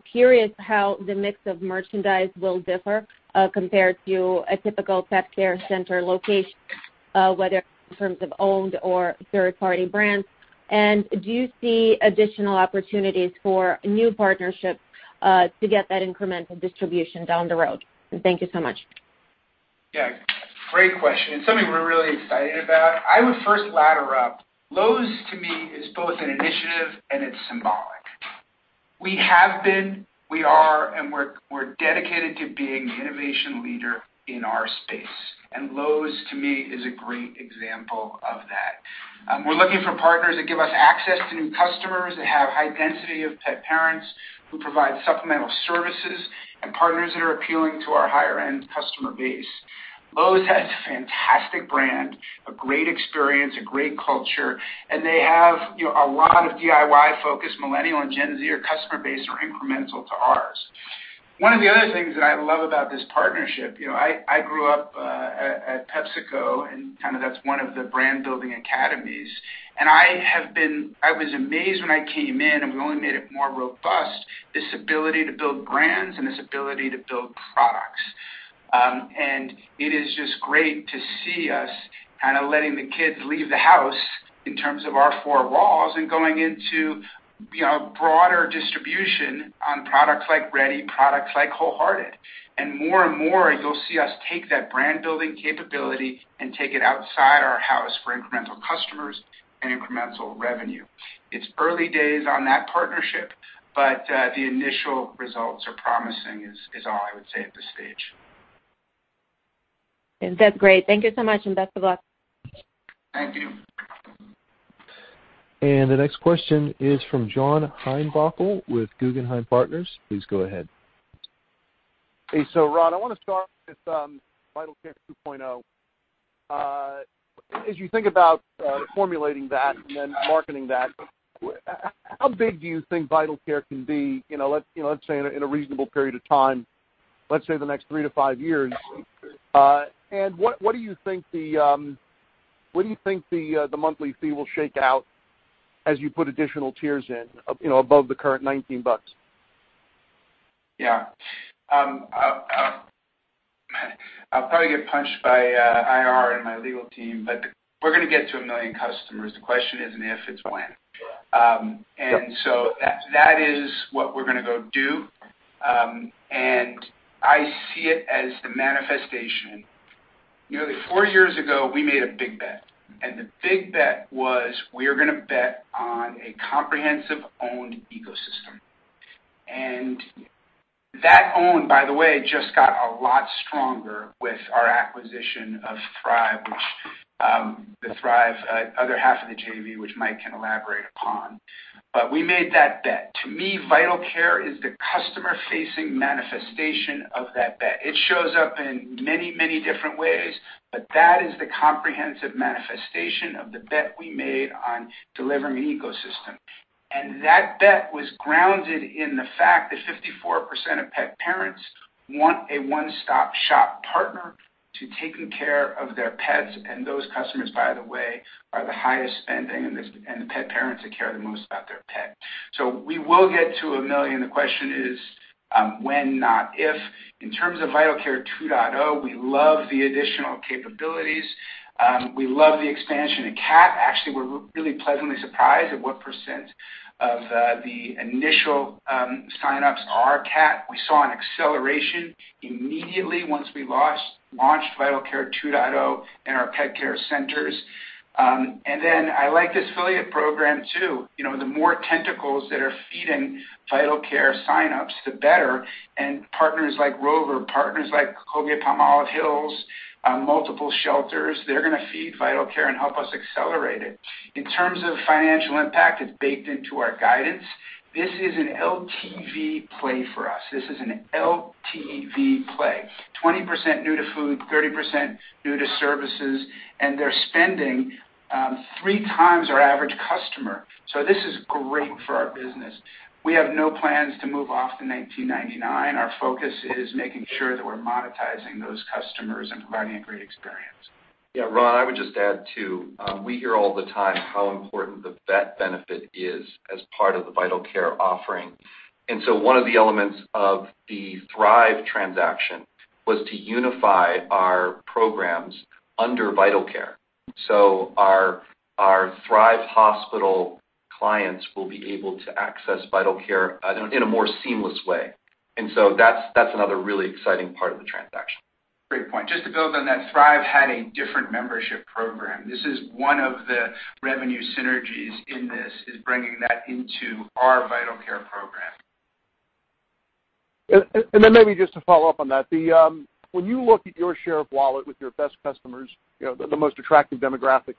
Curious how the mix of merchandise will differ compared to a typical Pet Care Center location, whether in terms of owned or third-party brands. Do you see additional opportunities for new partnerships to get that incremental distribution down the road? Thank you so much. Yeah. Great question. It's something we're really excited about. I would first ladder up. Lowe's, to me, is both an initiative and it's symbolic. We have been, we are, and we're dedicated to being the innovation leader in our space, and Lowe's, to me, is a great example of that. We're looking for partners that give us access to new customers, that have high density of pet parents, who provide supplemental services and partners that are appealing to our higher-end customer base. Lowe's has a fantastic brand, a great experience, a great culture, and they have, you know, a lot of DIY-focused millennial and Gen Z customer base are incremental to ours. One of the other things that I love about this partnership. I grew up at PepsiCo, and kinda that's one of the brand building academies. I was amazed when I came in, and we only made it more robust, this ability to build brands and this ability to build products. It is just great to see us kind of letting the kids leave the house in terms of our four walls and going into broader distribution on products like Reddy, products like Wholehearted. More and more, you'll see us take that brand-building capability and take it outside our house for incremental customers and incremental revenue. It's early days on that partnership, but the initial results are promising is all I would say at this stage. That's great. Thank you so much, and best of luck. Thank you. The next question is from John Heinbockel with Guggenheim Partners. Please go ahead. Hey. Ron, I wanna start with Vital Care 2.0. As you think about formulating that and then marketing that, how big do you think Vital Care can be, you know, let's say in a reasonable period of time, let's say the next three-five years? What do you think the monthly fee will shake out as you put additional tiers in, you know, above the current $19? Yeah. I'll probably get punched by IR and my legal team, but we're gonna get to 1 million customers. The question isn't if, it's when. That is what we're gonna go do. I see it as the manifestation. Nearly four years ago, we made a big bet, and the big bet was we are gonna bet on a comprehensive owned ecosystem. That own, by the way, just got a lot stronger with our acquisition of Thrive, which the Thrive other half of the JV, which Mike can elaborate upon. We made that bet. To me, Vital Care is the customer-facing manifestation of that bet. It shows up in many, many different ways, but that is the comprehensive manifestation of the bet we made on delivering ecosystem. That bet was grounded in the fact that 54% of pet parents want a one-stop-shop partner for taking care of their pets, and those customers, by the way, are the highest spending pet parents that care the most about their pet. We will get to a million. The question is, when, not if. In terms of Vital Care 2.0, we love the additional capabilities. We love the expansion in cats. Actually, we're really pleasantly surprised at what percent of the initial sign-ups are cats. We saw an acceleration immediately once we launched Vital Care 2.0 in our pet care centers. And then I like the affiliate program too. You know, the more tentacles that are feeding Vital Care sign-ups, the better. Partners like Rover, partners like Colgate-Palmolive Hill's, multiple shelters, they're gonna feed Vital Care and help us accelerate it. In terms of financial impact, it's baked into our guidance. This is an LTV play for us. 20% new to food, 30% new to services, and they're spending 3x our average customer. This is great for our business. We have no plans to move up to $19.99. Our focus is making sure that we're monetizing those customers and providing a great experience. Yeah, Ron, I would just add, too, we hear all the time how important the vet benefit is as part of the Vital Care offering. One of the elements of the Thrive transaction was to unify our programs under Vital Care. Our Thrive hospital clients will be able to access Vital Care in a more seamless way. That's another really exciting part of the transaction. Great point. Just to build on that, Thrive had a different membership program. This is one of the revenue synergies in this, is bringing that into our Vital Care program. Maybe just to follow up on that, when you look at your share of wallet with your best customers, you know, the most attractive demographics,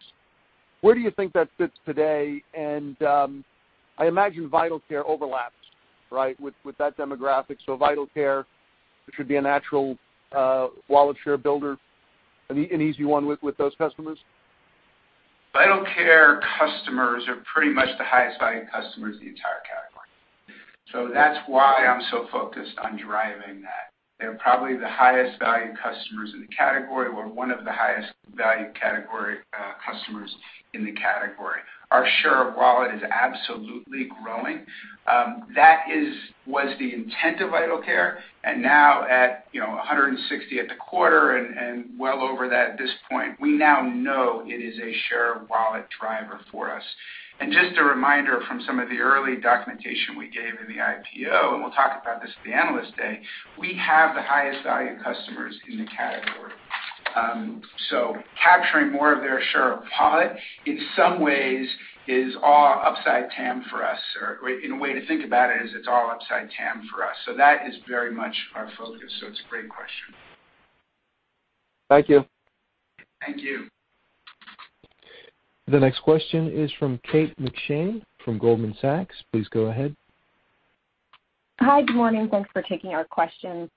where do you think that fits today? I imagine Vital Care overlaps, right, with that demographic. Vital Care, which would be a natural wallet share builder, an easy one with those customers? Vital Care customers are pretty much the highest value customers in the entire category. That's why I'm so focused on driving that. They're probably the highest value customers in the category. We're one of the highest value category customers in the category. Our share of wallet is absolutely growing. That is was the intent of Vital Care. Now at, you know, 160 at the quarter and well over that at this point, we now know it is a share of wallet driver for us. Just a reminder from some of the early documentation we gave in the IPO, and we'll talk about this at the Analyst Day, we have the highest value customers in the category. Capturing more of their share of wallet in some ways is all upside TAM for us, or, in a way to think about it's all upside TAM for us. That is very much our focus. It's a great question. Thank you. Thank you. The next question is from Kate McShane from Goldman Sachs. Please go ahead. Hi. Good morning. Thanks for taking our questions.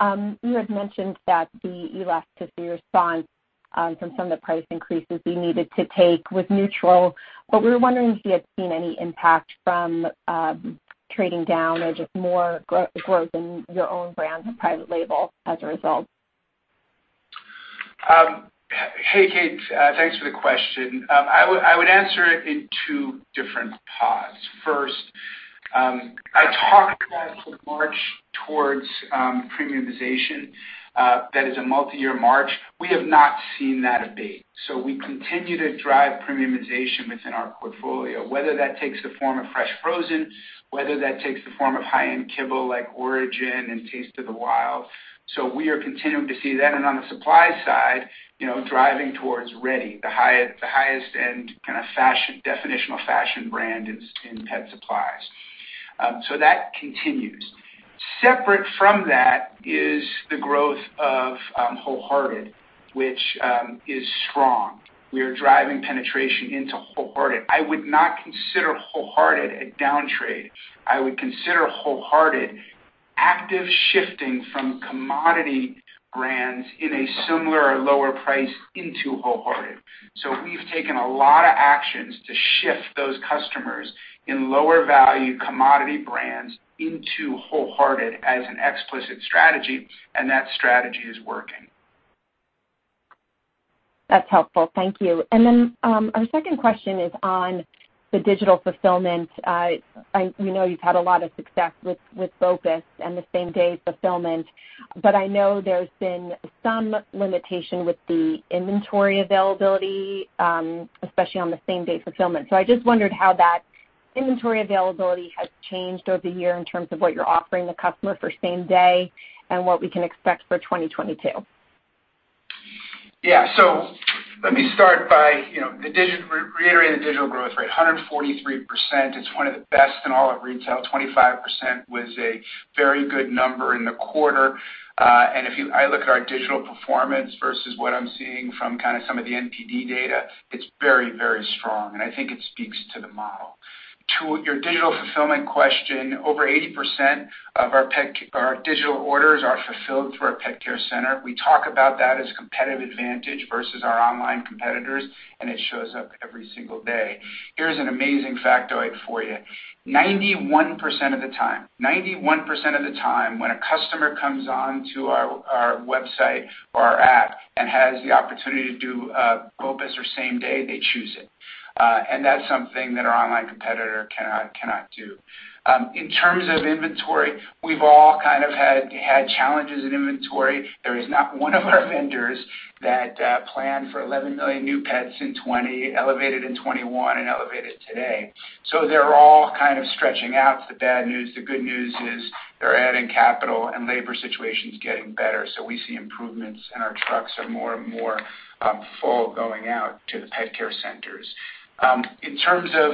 You had mentioned that the elasticity response from some of the price increases you needed to take was neutral, but we were wondering if you had seen any impact from trading down or just more growth in your own brand private label as a result? Hey, Kate. Thanks for the question. I would answer it in two different parts. First, I talked about the march towards premiumization. That is a multi-year march. We have not seen that abate. We continue to drive premiumization within our portfolio, whether that takes the form of fresh frozen, whether that takes the form of high-end kibble like Orijen and Taste of the Wild. We are continuing to see that. On the supply side, you know, driving towards Reddy, the highest-end kind of fashion, definitional fashion brand in pet supplies. That continues. Separate from that is the growth of Wholehearted, which is strong. We are driving penetration into Wholehearted. I would not consider Wholehearted a downtrade. I would consider Wholehearted a shift from commodity brands in a similar or lower price into Wholehearted. We've taken a lot of actions to shift those customers in lower value commodity brands into Wholehearted as an explicit strategy, and that strategy is working. That's helpful. Thank you. Our second question is on the digital fulfillment. You know you've had a lot of success with BOPIS and the same-day fulfillment, but I know there's been some limitation with the inventory availability, especially on the same-day fulfillment. I just wondered how that inventory availability has changed over the year in terms of what you're offering the customer for same day and what we can expect for 2022. Yeah. Let me start by, you know, reiterating the digital growth rate. 143%, it's one of the best in all of retail. 25% was a very good number in the quarter. I look at our digital performance versus what I'm seeing from kind of some of the NPD data, it's very, very strong, and I think it speaks to the model. To your digital fulfillment question, over 80% of our digital orders are fulfilled through our pet care center. We talk about that as competitive advantage versus our online competitors, and it shows up every single day. Here's an amazing factoid for you. 91% of the time when a customer comes onto our website or our app and has the opportunity to do BOPIS or same day, they choose it. That's something that our online competitor cannot do. In terms of inventory, we've all kind of had challenges in inventory. There is not one of our vendors that planned for 11 million new pets in 2020, elevated in 2021, and elevated today. They're all kind of stretching out the bad news. The good news is they're adding capital, and labor situation's getting better, so we see improvements, and our trucks are more and more full going out to the pet care centers. In terms of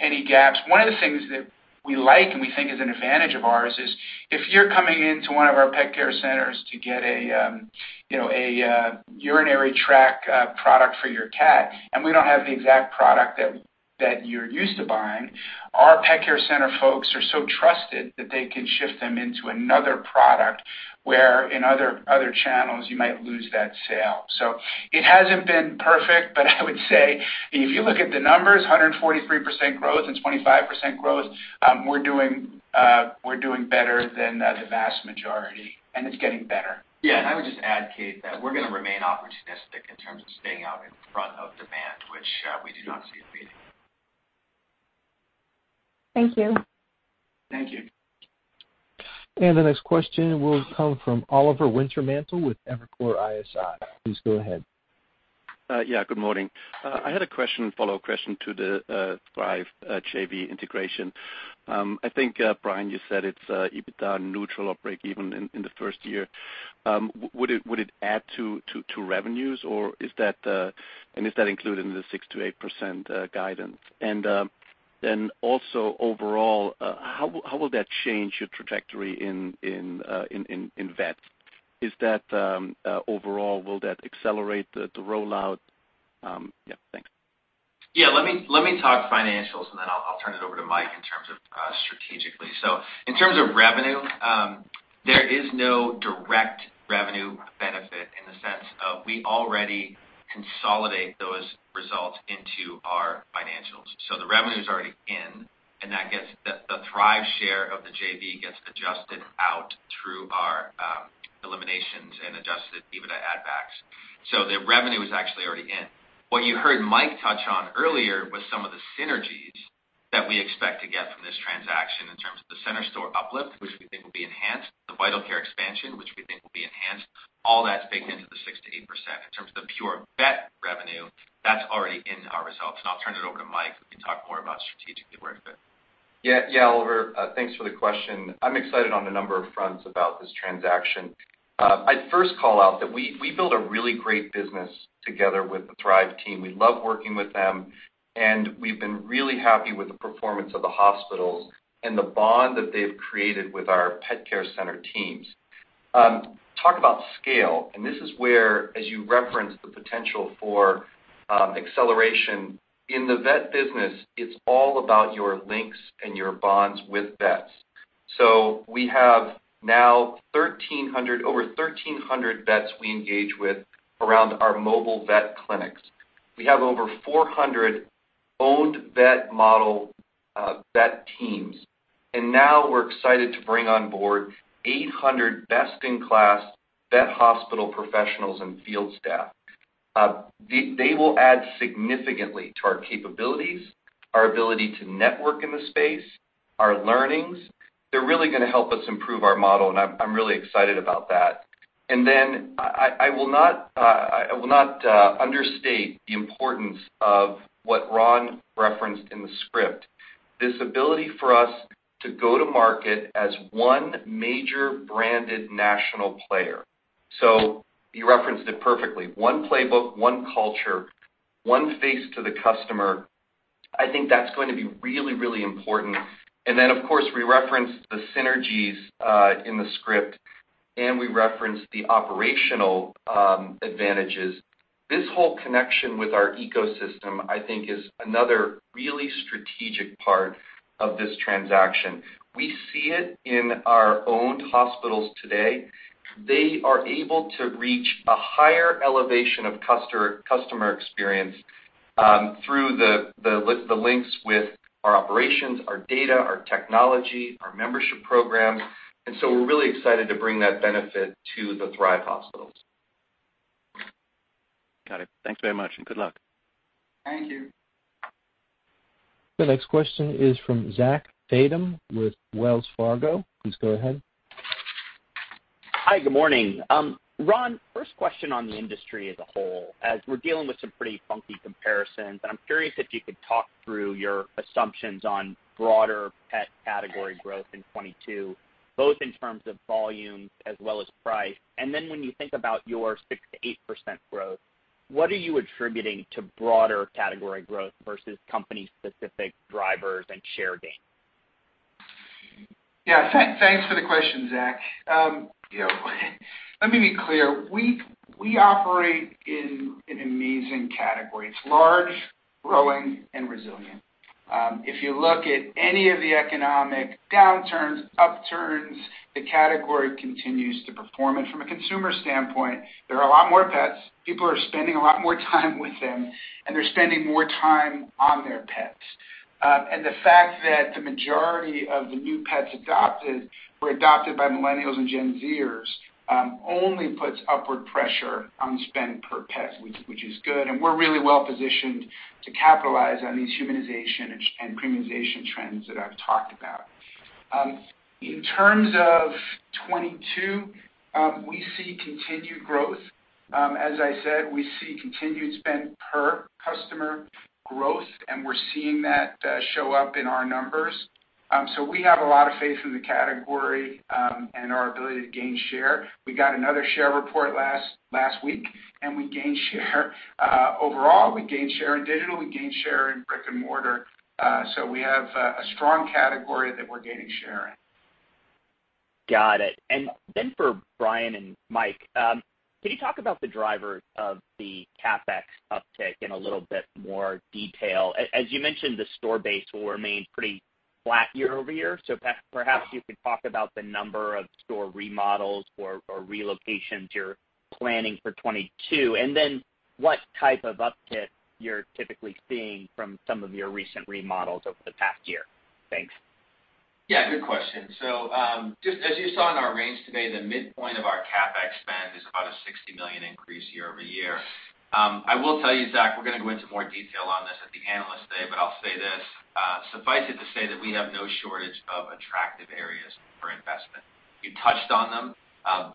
any gaps, one of the things that we like and we think is an advantage of ours is if you're coming into one of our pet care centers to get a you know urinary tract product for your cat, and we don't have the exact product that you're used to buying, our pet care center folks are so trusted that they can shift them into another product, where in other channels you might lose that sale. It hasn't been perfect, but I would say if you look at the numbers, 143% growth and 25% growth, we're doing better than the vast majority, and it's getting better. Yeah. I would just add, Kate, that we're gonna remain opportunistic in terms of staying out in front of demand, which we do not see abating. Thank you. Thank you. The next question will come from Oliver Wintermantel with Evercore ISI. Please go ahead. Yeah, good morning. I had a question, follow-up question to the Thrive JV integration. I think, Brian, you said it's EBITDA neutral or breakeven in the first year. Would it add to revenues, or is that? Is that included in the 6%-8% guidance? Also overall, how will that change your trajectory in vet? Is that overall, will that accelerate the rollout? Yeah, thanks. Yeah. Let me talk financials, and then I'll turn it over to Mike in terms of strategically. In terms of revenue, there is no direct revenue benefit in the sense of we already consolidate those results into our financials. The revenue's already in, and the Thrive share of the JV gets adjusted out through our eliminations and Adjusted EBITDA add backs. The revenue is actually already in. What you heard Mike touch on earlier was some of the synergies that we expect to get from this transaction in terms of the center store uplift, which we think will be enhanced, the Vital Care expansion, which we think will be enhanced. All that's baked into the 6%-8%. In terms of the pure vet revenue, that's already in our results. I'll turn it over to Mike, who can talk more about strategically where to fit. Yeah. Yeah. Oliver, thanks for the question. I'm excited on a number of fronts about this transaction. I'd first call out that we built a really great business together with the Thrive team. We love working with them, and we've been really happy with the performance of the hospitals and the bond that they've created with our pet care center teams. Talk about scale, and this is where, as you referenced, the potential for acceleration. In the vet business, it's all about your clinics and your bonds with vets. So we have now over 1,300 vets we engage with around our mobile vet clinics. We have over 400 owned vet model vet teams. And now we're excited to bring on board 800 best-in-class vet hospital professionals and field staff. They will add significantly to our capabilities, our ability to network in the space, our learnings. They're really gonna help us improve our model, and I'm really excited about that. I will not understate the importance of what Ron referenced in the script. This ability for us to go to market as one major branded national player. He referenced it perfectly. One playbook, one culture, one face to the customer. I think that's going to be really, really important. Of course, we referenced the synergies in the script, and we referenced the operational advantages. This whole connection with our ecosystem, I think, is another really strategic part of this transaction. We see it in our owned hospitals today. They are able to reach a higher elevation of customer experience through the links with our operations, our data, our technology, our membership programs. We're really excited to bring that benefit to the Thrive hospitals. Got it. Thanks very much, and good luck. Thank you. The next question is from Zachary Fadem with Wells Fargo. Please go ahead. Hi, good morning. Ron, first question on the industry as a whole. As we're dealing with some pretty funky comparisons, and I'm curious if you could talk through your assumptions on broader pet category growth in 2022, both in terms of volume as well as price. When you think about your 6%-8% growth, what are you attributing to broader category growth versus company-specific drivers and share gains? Yeah. Thanks for the question, Zach. You know, let me be clear. We operate in an amazing category. It's large, growing, and resilient. If you look at any of the economic downturns, upturns, the category continues to perform. From a consumer standpoint, there are a lot more pets, people are spending a lot more time with them, and they're spending more time on their pets. The fact that the majority of the new pets adopted were adopted by millennials and Gen Zers only puts upward pressure on spend per pet, which is good. We're really well-positioned to capitalize on these humanization and premiumization trends that I've talked about. In terms of 2022, we see continued growth. As I said, we see continued spend per customer growth, and we're seeing that show up in our numbers. We have a lot of faith in the category, and our ability to gain share. We got another share report last week, and we gained share. Overall, we gained share in digital, we gained share in brick-and-mortar. We have a strong category that we're gaining share in. Got it. Then for Brian and Mike, can you talk about the driver of the CapEx uptick in a little bit more detail? As you mentioned, the store base will remain pretty flat year-over-year. Perhaps you could talk about the number of store remodels or relocations you're planning for 2022, and then what type of uptick you're typically seeing from some of your recent remodels over the past year. Thanks. Yeah, good question. Just as you saw in our range today, the midpoint of our CapEx spend is about a $60 million increase year-over-year. I will tell you, Zach, we're gonna go into more detail on this at the Analyst Day, but I'll say this, suffice it to say that we have no shortage of attractive areas for investment. We touched on them.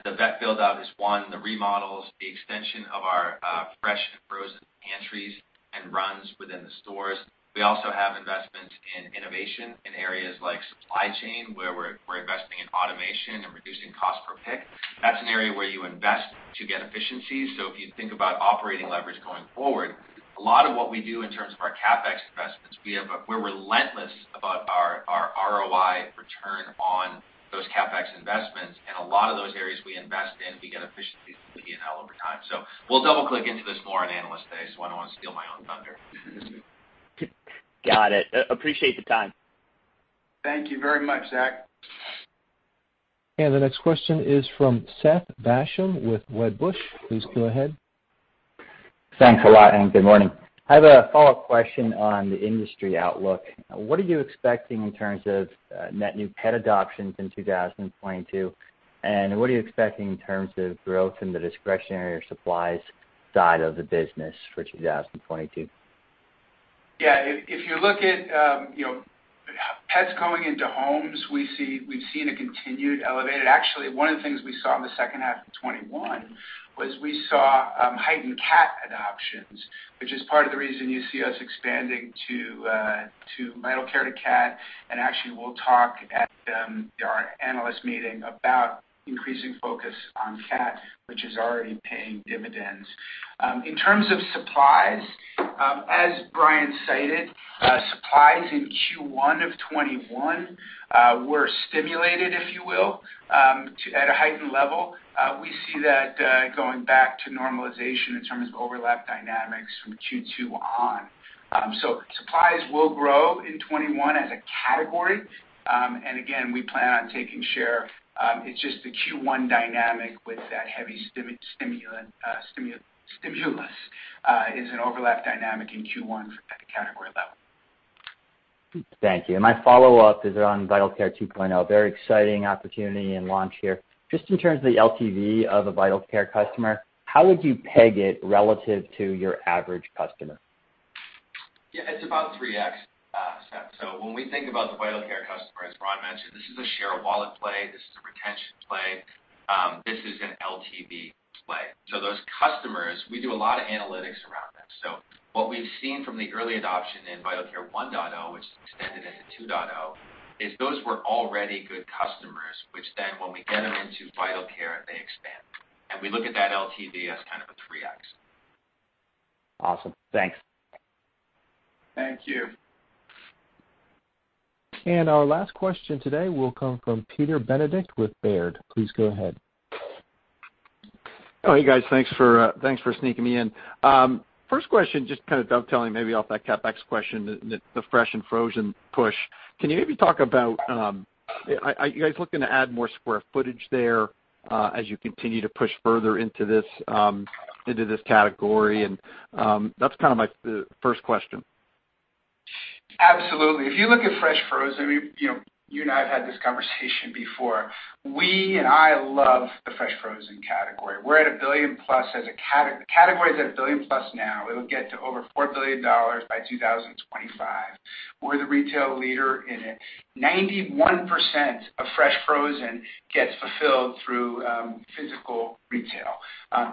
The vet build-out is one, the remodels, the extension of our, fresh and frozen pantries and runs within the stores. We also have investments in innovation in areas like supply chain, where we're investing in automation and reducing cost per pick. That's an area where you invest to get efficiencies. If you think about operating leverage going forward, a lot of what we do in terms of our CapEx investments, we're relentless about our ROI return on those CapEx investments. A lot of those areas we invest in, we get efficiencies from the P&L over time. We'll double-click into this more on Analyst Day, so I don't wanna steal my own thunder. Got it. Appreciate the time. Thank you very much, Zach. The next question is from Seth Basham with Wedbush. Please go ahead. Thanks a lot, and good morning. I have a follow-up question on the industry outlook. What are you expecting in terms of net new pet adoptions in 2022? And what are you expecting in terms of growth in the discretionary supplies side of the business for 2022? Yeah. If you look at, you know, pets going into homes, we've seen continued elevated. Actually, one of the things we saw in the second half of 2021 was heightened cat adoptions, which is part of the reason you see us expanding to medical care for cats. Actually, we'll talk at our analyst meeting about increasing focus on cats, which is already paying dividends. In terms of supplies, as Brian cited, supplies in Q1 of 2021 were stimulated, if you will, at a heightened level. We see that going back to normalization in terms of adoption dynamics from Q2 on. Supplies will grow in 2021 as a category. Again, we plan on taking share. It's just the Q1 dynamic with that heavy stimulus is an overlap dynamic in Q1 at the category level. Thank you. My follow-up is on Vital Care 2.0. Very exciting opportunity and launch here. Just in terms of the LTV of a Vital Care customer, how would you peg it relative to your average customer? Yeah, it's about 3x, Seth. When we think about the Vital Care customer, as Ron mentioned, this is a share of wallet play. This is a retention play. This is an LTV play. Those customers, we do a lot of analytics around them. What we've seen from the early adoption in Vital Care 1.0, which is extended into 2.0, is those were already good customers, which then when we get them into Vital Care, they expand. We look at that LTV as kind of a 3x. Awesome. Thanks. Thank you. Our last question today will come from Peter Benedict with Baird. Please go ahead. Oh, hey guys. Thanks for sneaking me in. First question, just kind of dovetailing maybe off that CapEx question, the fresh and frozen push. Can you maybe talk about are you guys looking to add more square footage there as you continue to push further into this category? That's kinda my first question. Absolutely. If you look at fresh frozen, you know, you and I have had this conversation before. We and I love the fresh frozen category. We're at a billion plus the category is at a billion plus now. It'll get to over $4 billion by 2025. We're the retail leader in it. 91% of fresh frozen gets fulfilled through physical retail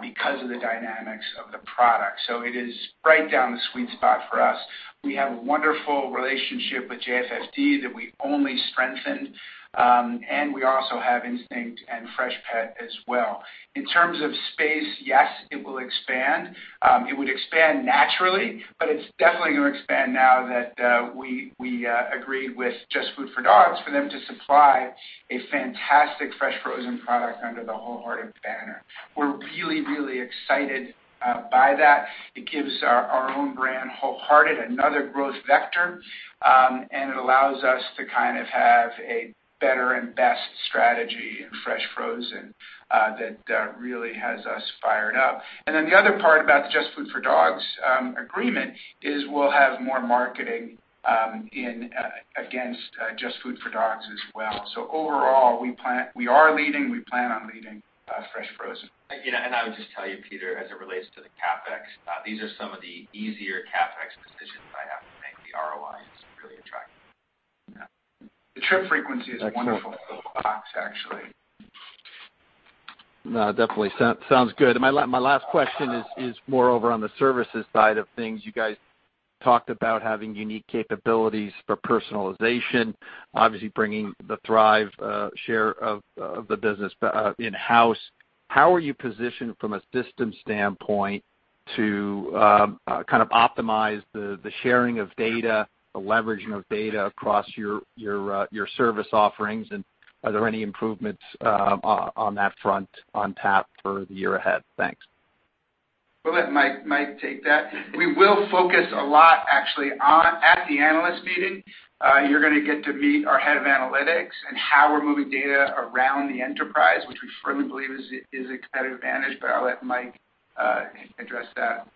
because of the dynamics of the product. So it is right down the sweet spot for us. We have a wonderful relationship with JFFD that we only strengthened, and we also have Instinct and Freshpet as well. In terms of space, yes, it will expand. It would expand naturally, but it's definitely gonna expand now that we agreed with JustFoodForDogs for them to supply a fantastic fresh frozen product under the Wholehearted banner. We're really, really excited by that. It gives our own brand, Wholehearted, another growth vector, and it allows us to kind of have a better and best strategy in fresh frozen that really has us fired up. Then the other part about the JustFoodForDogs agreement is we'll have more marketing in against JustFoodForDogs as well. Overall, we plan on leading fresh frozen. You know, I would just tell you, Peter, as it relates to the CapEx, these are some of the easier CapEx decisions I have to make. The ROI is really attractive. Yeah. The trip frequency is wonderful for the box, actually. No, definitely. Sounds good. My last question is more on the services side of things. You guys talked about having unique capabilities for personalization, obviously bringing the Thrive share of the business in-house. How are you positioned from a systems standpoint to kind of optimize the sharing of data, the leveraging of data across your service offerings? Are there any improvements on that front on tap for the year ahead? Thanks. We'll let Mike take that. We will focus a lot actually on at the analyst meeting. You're gonna get to meet our head of analytics and how we're moving data around the enterprise, which we firmly believe is a competitive advantage. I'll let Mike address that.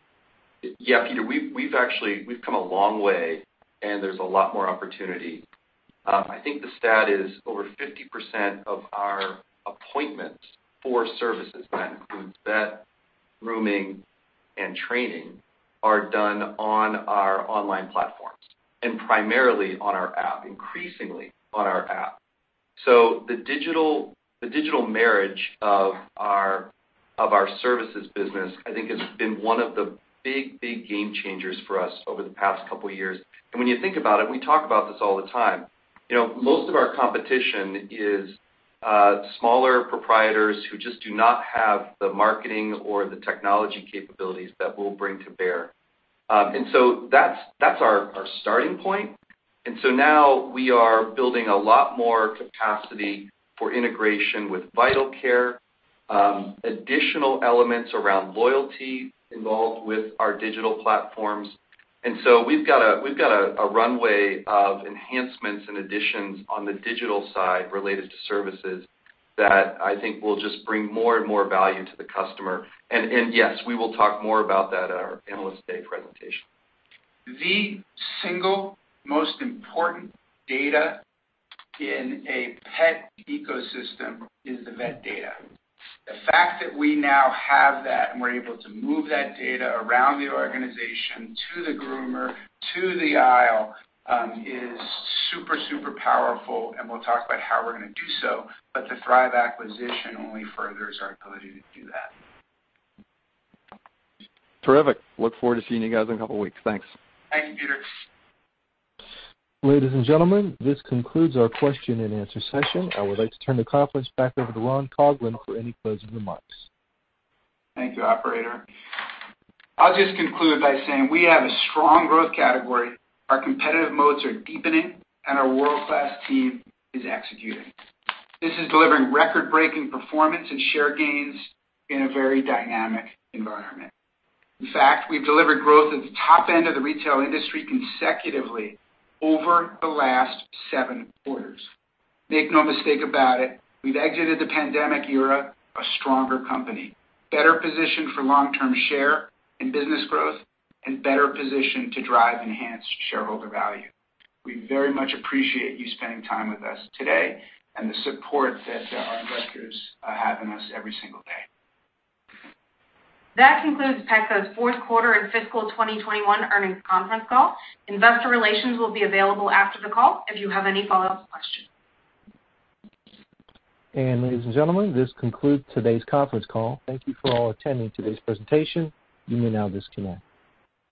Yeah, Peter, we've actually come a long way, and there's a lot more opportunity. I think the stat is over 50% of our appointments for services, that includes vet, grooming, and training, are done on our online platforms and primarily on our app, increasingly on our app. The digital marriage of our services business, I think, has been one of the big game changers for us over the past couple years. When you think about it, we talk about this all the time. You know, most of our competition is smaller proprietors who just do not have the marketing or the technology capabilities that we'll bring to bear. That's our starting point. Now we are building a lot more capacity for integration with Vital Care, additional elements around loyalty involved with our digital platforms. Yes, we will talk more about that at our Analyst Day presentation. The single most important data in a pet ecosystem is the vet data. The fact that we now have that, and we're able to move that data around the organization to the groomer, to the aisle, is super powerful, and we'll talk about how we're gonna do so. The Thrive acquisition only furthers our ability to do that. Terrific. Look forward to seeing you guys in a couple weeks. Thanks. Thank you, Peter. Ladies and gentlemen, this concludes our question-and-answer session. I would like to turn the conference back over to Ron Coughlin for any closing remarks. Thank you, operator. I'll just conclude by saying we have a strong growth category. Our competitive modes are deepening, and our world-class team is executing. This is delivering record-breaking performance and share gains in a very dynamic environment. In fact, we've delivered growth at the top end of the retail industry consecutively over the last seven quarters. Make no mistake about it, we've exited the pandemic era a stronger company, better positioned for long-term share and business growth, and better positioned to drive enhanced shareholder value. We very much appreciate you spending time with us today and the support that our investors have in us every single day. That concludes Petco's fourth quarter and fiscal 2021 earnings conference call. Investor relations will be available after the call if you have any follow-up questions. Ladies and gentlemen, this concludes today's conference call. Thank you for all attending today's presentation. You may now disconnect.